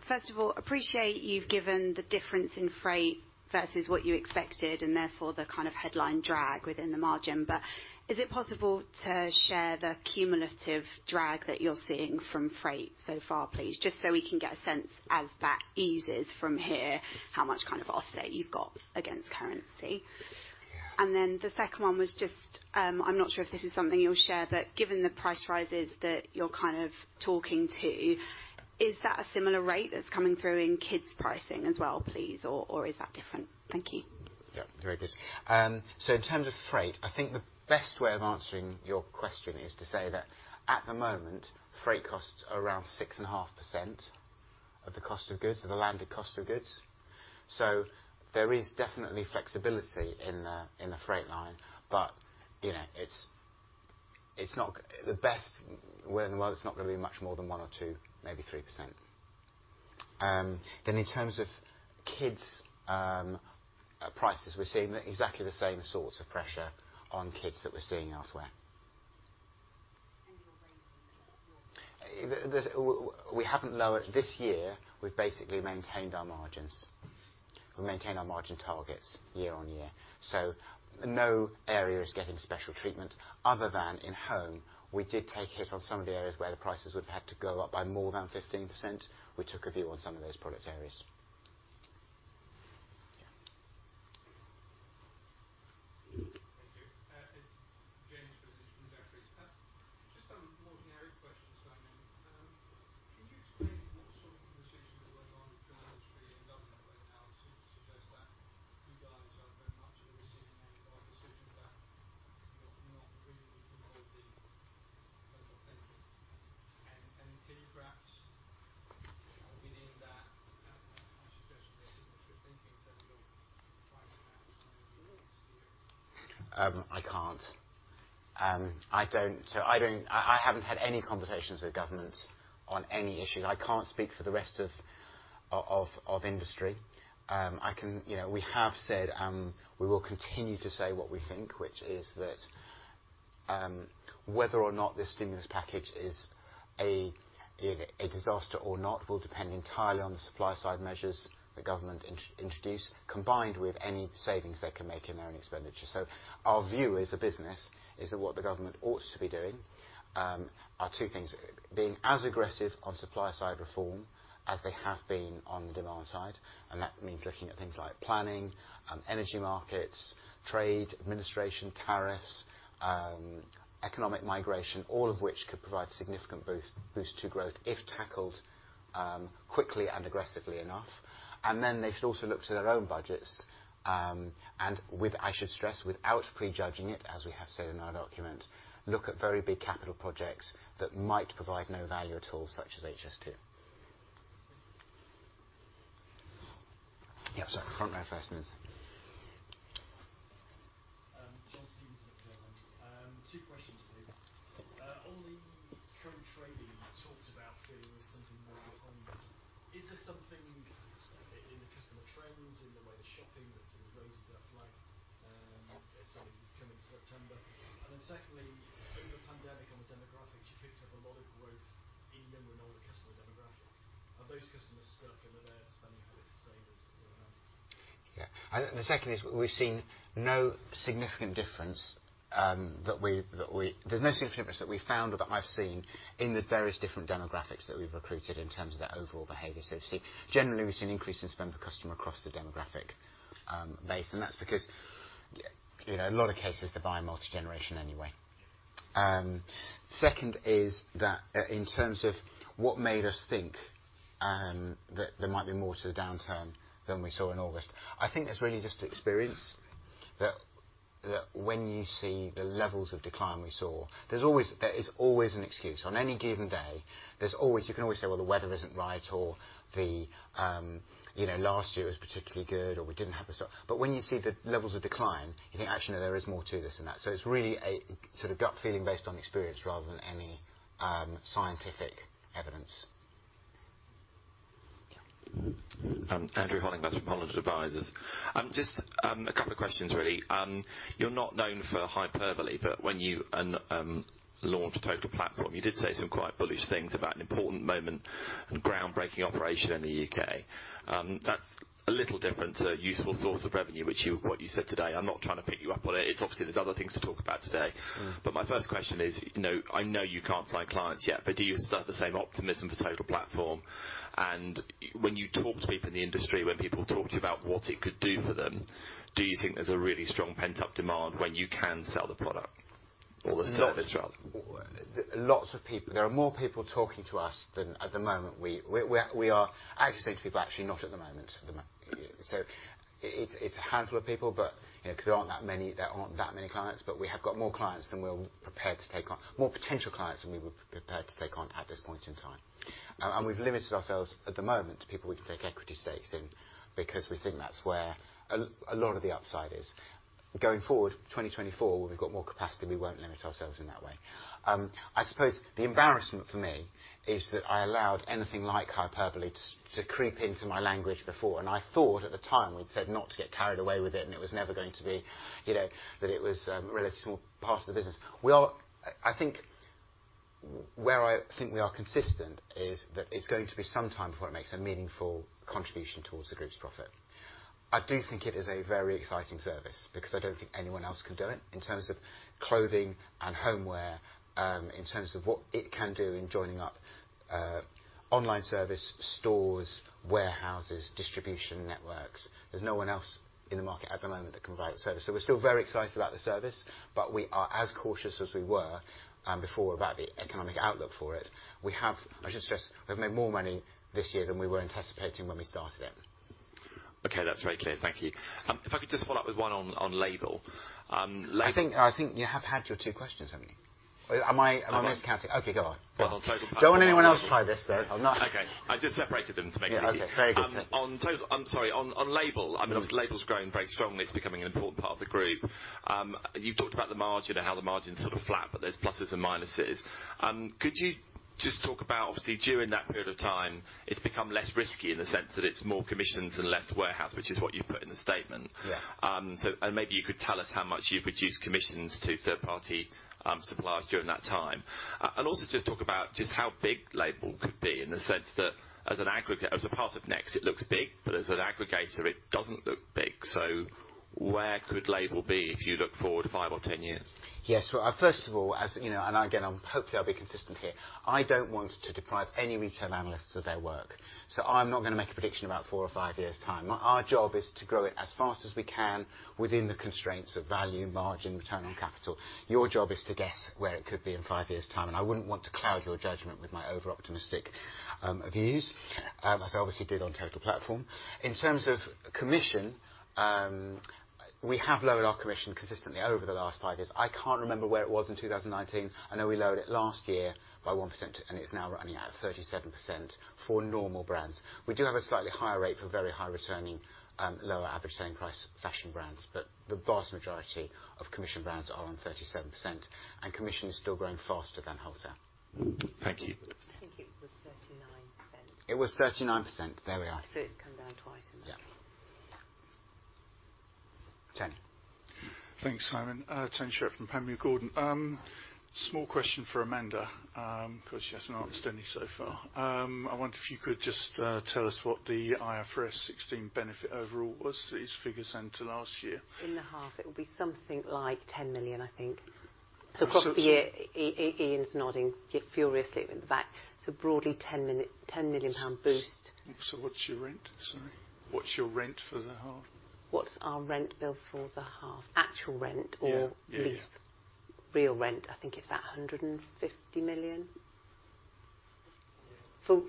First of all, appreciate you've given the difference in freight versus what you expected, and therefore the kind of headline drag within the margin. Is it possible to share the cumulative drag that you're seeing from freight so far, please? Just so we can get a sense as that eases from here, how much kind of offset you've got against currency. Yeah. The second one was just, I'm not sure if this is something you'll share, but given the price rises that you're kind of talking to, is that a similar rate that's coming through in kids pricing as well, please? Or is that different? Thank you. Yeah, very good. In terms of freight, I think the best way of answering your question is to say that at the moment, freight costs are around 6.5% of the cost of goods, of the landed cost of goods. There is definitely flexibility in the freight line, but you know, it's not the best way in the world, it's not gonna be much more than 1 or 2, maybe 3%. In terms of Kids prices, we're seeing exactly the same sorts of pressure on Kids that we're seeing elsewhere. Your range This year, we've basically maintained our margins. We've maintained our margin targets year-over-year. No area is getting special treatment other than in Home, we did take a hit on some of the areas where the prices would've had to go up by more than 15%. We took a view on some of those product areas. the government introduce, combined with any savings they can make in their own expenditure. Our view as a business is that what the government ought to be doing are two things. Being as aggressive on supply side reform as they have been on the demand side, and that means looking at things like planning, energy markets, trade, administration, tariffs, economic migration, all of which could provide significant boost to growth if tackled quickly and aggressively enough. They should also look to their own budgets, and with, I should stress, without prejudging it, as we have said in our document, look at very big capital projects that might provide no value at all, such as HS2. Yeah. Sorry. Front row first, please. John Stevens with the Journal. Two questions, please. On the current trading, you talked about feeling something more benign. Is there something in the customer trends, in the way they're shopping, that sort of raises that flag as something that's coming in September? Secondly, over the pandemic, on the demographics, you picked up a lot of growth in newer and older customer demographics. Are those customers stuck, and are their spending habits the same as it was? Yeah. I think the second is we're seeing no significant difference that we found or that I've seen in the various different demographics that we've recruited in terms of their overall behavior. Generally, we've seen an increase in spend per customer across the demographic base, and that's because, you know, in a lot of cases they're buying multi-generation anyway. Yeah. Second is that, in terms of what made us think, that there might be more to the downturn than we saw in August. I think that's really just experience that, when you see the levels of decline we saw, there is always an excuse. On any given day, there is always, you can always say, "Well, the weather isn't right," or, you know, "Last year was particularly good," or, "We didn't have the sale." But when you see the levels of decline, you think, "Actually, no, there is more to this than that." So it's really a sort of gut feeling based on experience rather than any, scientific evidence. Yeah. Andrew Hollingworth from Holland Advisors. Just a couple of questions really. You're not known for hyperbole, but when you launched Total Platform, you did say some quite bullish things about an important moment and groundbreaking operation in the U.K. That's a little different to a useful source of revenue, which you said today. I'm not trying to pick you up on it. It's obviously there's other things to talk about today. My first question is, you know, I know you can't sign clients yet, but do you still have the same optimism for Total Platform? When you talk to people in the industry, when people talk to you about what it could do for them, do you think there's a really strong pent-up demand when you can sell the product or the service rather? Lots of people. There are more people talking to us than at the moment. I actually say to people, actually not at the moment. It's a handful of people, but you know, 'cause there aren't that many clients, but we have got more clients than we're prepared to take on, more potential clients than we were prepared to take on at this point in time. We've limited ourselves at the moment to people we can take equity stakes in because we think that's where a lot of the upside is. Going forward, 2024, when we've got more capacity, we won't limit ourselves in that way. I suppose the embarrassment for me is that I allowed anything like hyperbole to creep into my language before, and I thought at the time, we'd said not to get carried away with it, and it was never going to be, you know, that it was a relatively small part of the business. I think where we are consistent is that it's going to be some time before it makes a meaningful contribution towards the group's profit. I do think it is a very exciting service because I don't think anyone else can do it in terms of clothing and homeware, in terms of what it can do in joining up online service, stores, warehouses, distribution networks. There's no one else in the market at the moment that can provide that service. We're still very excited about the service, but we are as cautious as we were before about the economic outlook for it. We have, I should stress, we've made more money this year than we were anticipating when we started it. Okay, that's very clear. Thank you. If I could just follow up with one on LABEL. I think you have had your two questions, haven't you? Am I? Okay Miscounting? Okay, go on. Well, on Total Don't want anyone else to try this though. Okay. I just separated them to make it easy. Yeah. Okay. On LABEL. Of course. I mean, obviously, Label's growing very strongly. It's becoming an important part of the group. You've talked about the margin and how the margin's sort of flat, but there's pluses and minuses. Could you just talk about obviously during that period of time, it's become less risky in the sense that it's more commissions and less warehouse, which is what you put in the statement. Yeah. Maybe you could tell us how much you've reduced commissions to third-party suppliers during that time. Just talk about just how big LABEL could be in the sense that as an aggregate, as a part of NEXT, it looks big, but as an aggregator, it doesn't look big. Where could LABEL be if you look forward 5 or 10 years? Yes. Well, first of all, as you know, and again, hopefully I'll be consistent here, I don't want to deprive any retail analysts of their work, so I'm not gonna make a prediction about four or five years' time. Our job is to grow it as fast as we can within the constraints of value, margin, return on capital. Your job is to guess where it could be in five years' time, and I wouldn't want to cloud your judgment with my over-optimistic views, as I obviously did on Total Platform. In terms of commission, we have lowered our commission consistently over the last five years. I can't remember where it was in 2019. I know we lowered it last year by 1%, and it's now running at 37% for normal brands. We do have a slightly higher rate for very high returning, lower average selling price fashion brands, but the vast majority of commission brands are on 37%, and commission is still growing faster than wholesale. Thank you. I think it was 39%. It was 39%. There we are. It's come down twice in that case. Yeah. Tony. Thanks, Simon. Tony Shiret from Panmure Gordon. Small question for Amanda, 'cause she hasn't answered any so far. I wonder if you could just tell us what the IFRS 16 benefit overall was for this financial year last year. In the half it will be something like 10 million, I think. So Across the year, Ian's nodding furiously at the back. Broadly 10 million pound boost. What's your rent? Sorry. What's your rent for the half? What's our rent bill for the half? Actual rent or- Yeah. Lease? Real rent, I think it's about 150 million. Full.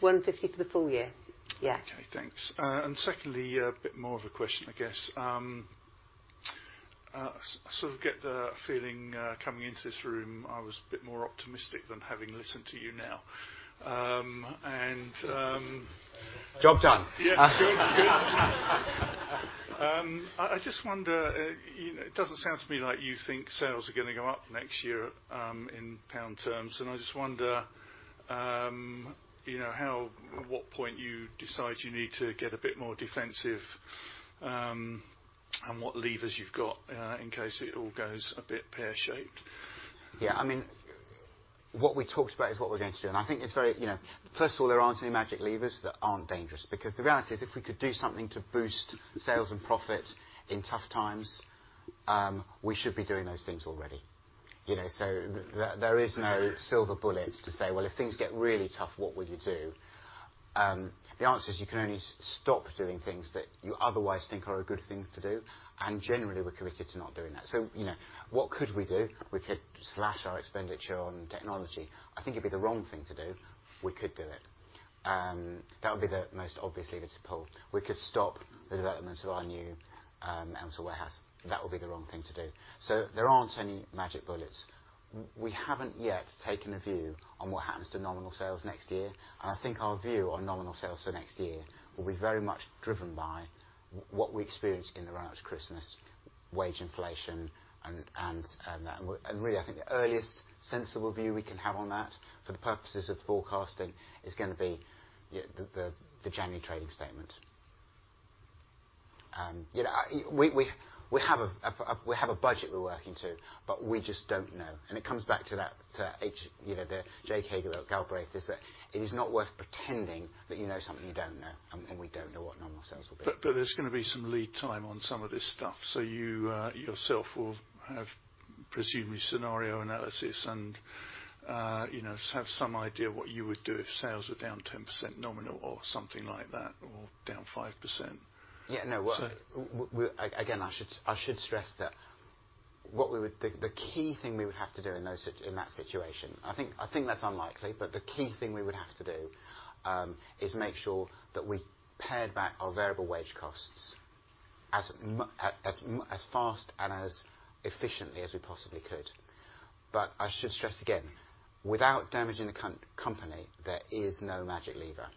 150 for the full year. Yeah. Okay, thanks. Secondly, a bit more of a question, I guess. Sort of get the feeling, coming into this room, I was a bit more optimistic than having listened to you now. Job done. Yeah. Good, good. I just wonder, you know, it doesn't sound to me like you think sales are gonna go up next year, in pound terms. I just wonder, you know, how, at what point you decide you need to get a bit more defensive, and what levers you've got, in case it all goes a bit pear-shaped. I mean, what we talked about is what we're going to do, and I think it's very, you know. First of all, there aren't any magic levers that aren't dangerous because the reality is if we could do something to boost sales and profit in tough times, we should be doing those things already. You know? There is no silver bullet to say, "Well, if things get really tough, what will you do?" The answer is you can only stop doing things that you otherwise think are a good thing to do, and generally we're committed to not doing that. You know, what could we do? We could slash our expenditure on technology. I think it'd be the wrong thing to do. We could do it. That would be the most obvious lever to pull. We could stop the development of our new Elmsall warehouse. That would be the wrong thing to do. There aren't any magic bullets. We haven't yet taken a view on what happens to nominal sales next year, and I think our view on nominal sales for next year will be very much driven by what we experience in the run-up to Christmas, wage inflation and that. Really, I think the earliest sensible view we can have on that for the purposes of forecasting is gonna be the January trading statement. We have a budget we're working to, but we just don't know. It comes back to that, you know, the John Kenneth Galbraith said that it is not worth pretending that you know something you don't know, and we don't know what normal sales will be. there's gonna be some lead time on some of this stuff, so you yourself will have presumably scenario analysis and you know have some idea what you would do if sales were down 10% nominal or something like that, or down 5%. Yeah, no. So- Again, I should stress that what we would do. The key thing we would have to do in that situation, I think that's unlikely, but the key thing we would have to do is make sure that we pared back our variable wage costs as fast and as efficiently as we possibly could. I should stress again, without damaging the company, there is no magic lever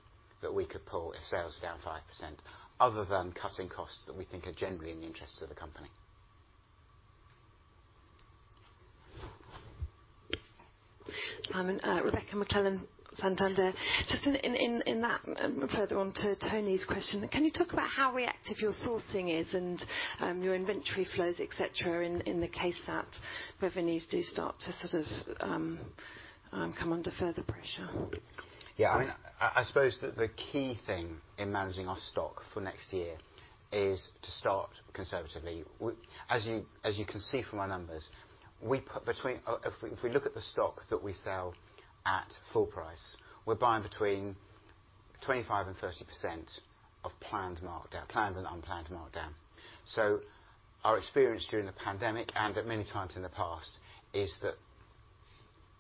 that we could pull if sales are down 5% other than cutting costs that we think are generally in the interests of the company. Simon, Rebecca McClellan, Santander. Just in that further on to Tony's question, can you talk about how reactive your sourcing is and your inventory flows, et cetera, in the case that revenues do start to sort of come under further pressure? Yeah. Right. I suppose that the key thing in managing our stock for next year is to start conservatively. As you can see from our numbers, if we look at the stock that we sell at full price, we're buying between 25% and 30% of planned markdown, planned and unplanned markdown. Our experience during the pandemic and at many times in the past is that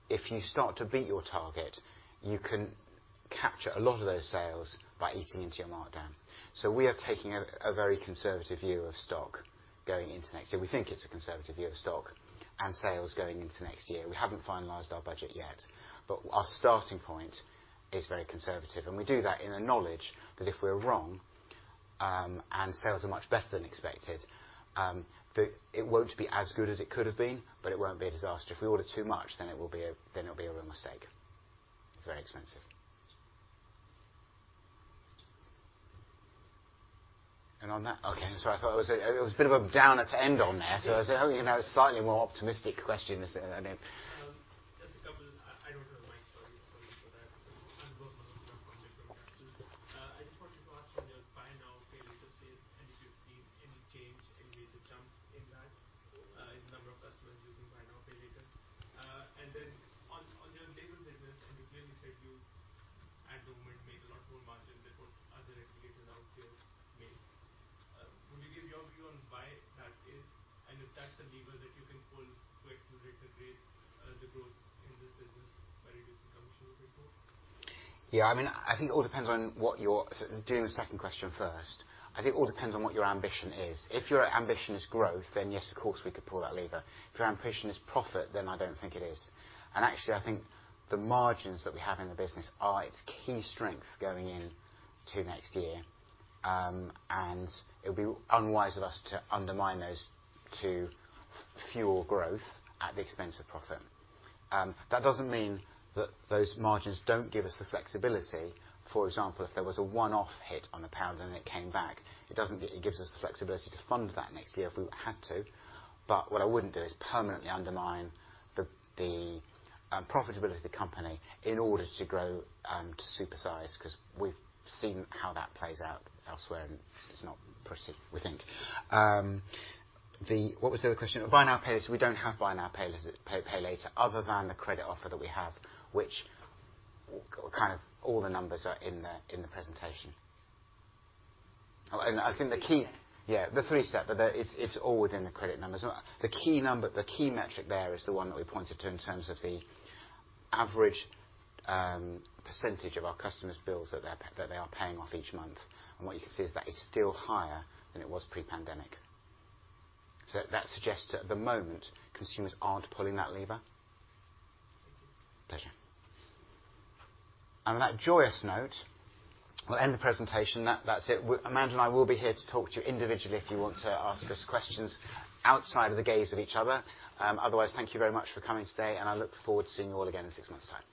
if you start to beat your target, you can capture a lot of those sales by eating into your markdown. We are taking a very conservative view of stock going into next year. We think it's a conservative view of stock and sales going into next year. We haven't finalized our budget yet, but our starting point is very conservative, and we do that in the knowledge that if we're wrong, and sales are much better than expected, it won't be as good as it could have been, but it won't be a disaster. If we order too much, then it will be a real mistake. Very expensive. On that. Okay. Sorry. I thought it was a bit of a downer to end on there. I was, "Oh, you know, slightly more optimistic question," I said. I mean. Just a couple. I don't have mic, sorry for that. I'm. Yeah. I mean, doing the second question first. I think it all depends on what your ambition is. If your ambition is growth, then yes, of course, we could pull that lever. If your ambition is profit, then I don't think it is. Actually, I think the margins that we have in the business are its key strength going into next year. It would be unwise of us to undermine those to fuel growth at the expense of profit. That doesn't mean that those margins don't give us the flexibility. For example, if there was a one-off hit on the pound, then it came back, it gives us the flexibility to fund that next year if we had to. What I wouldn't do is permanently undermine the profitability of the company in order to grow, to super size, 'cause we've seen how that plays out elsewhere, and it's not pretty, we think. What was the other question? Buy now, pay later. We don't have buy now, pay later, other than the credit offer that we have, which kind of all the numbers are in the presentation. Oh, and I think the key three step. Yeah, the three step. But it's all within the credit numbers. The key metric there is the one that we pointed to in terms of the average percentage of our customers' bills that they are paying off each month. What you can see is that is still higher than it was pre-pandemic. That suggests that at the moment, consumers aren't pulling that lever. Pleasure. On that joyous note, we'll end the presentation. That's it. Well, Amanda and I will be here to talk to you individually if you want to ask us questions outside of the gaze of each other. Otherwise, thank you very much for coming today, and I look forward to seeing you all again in six months' time.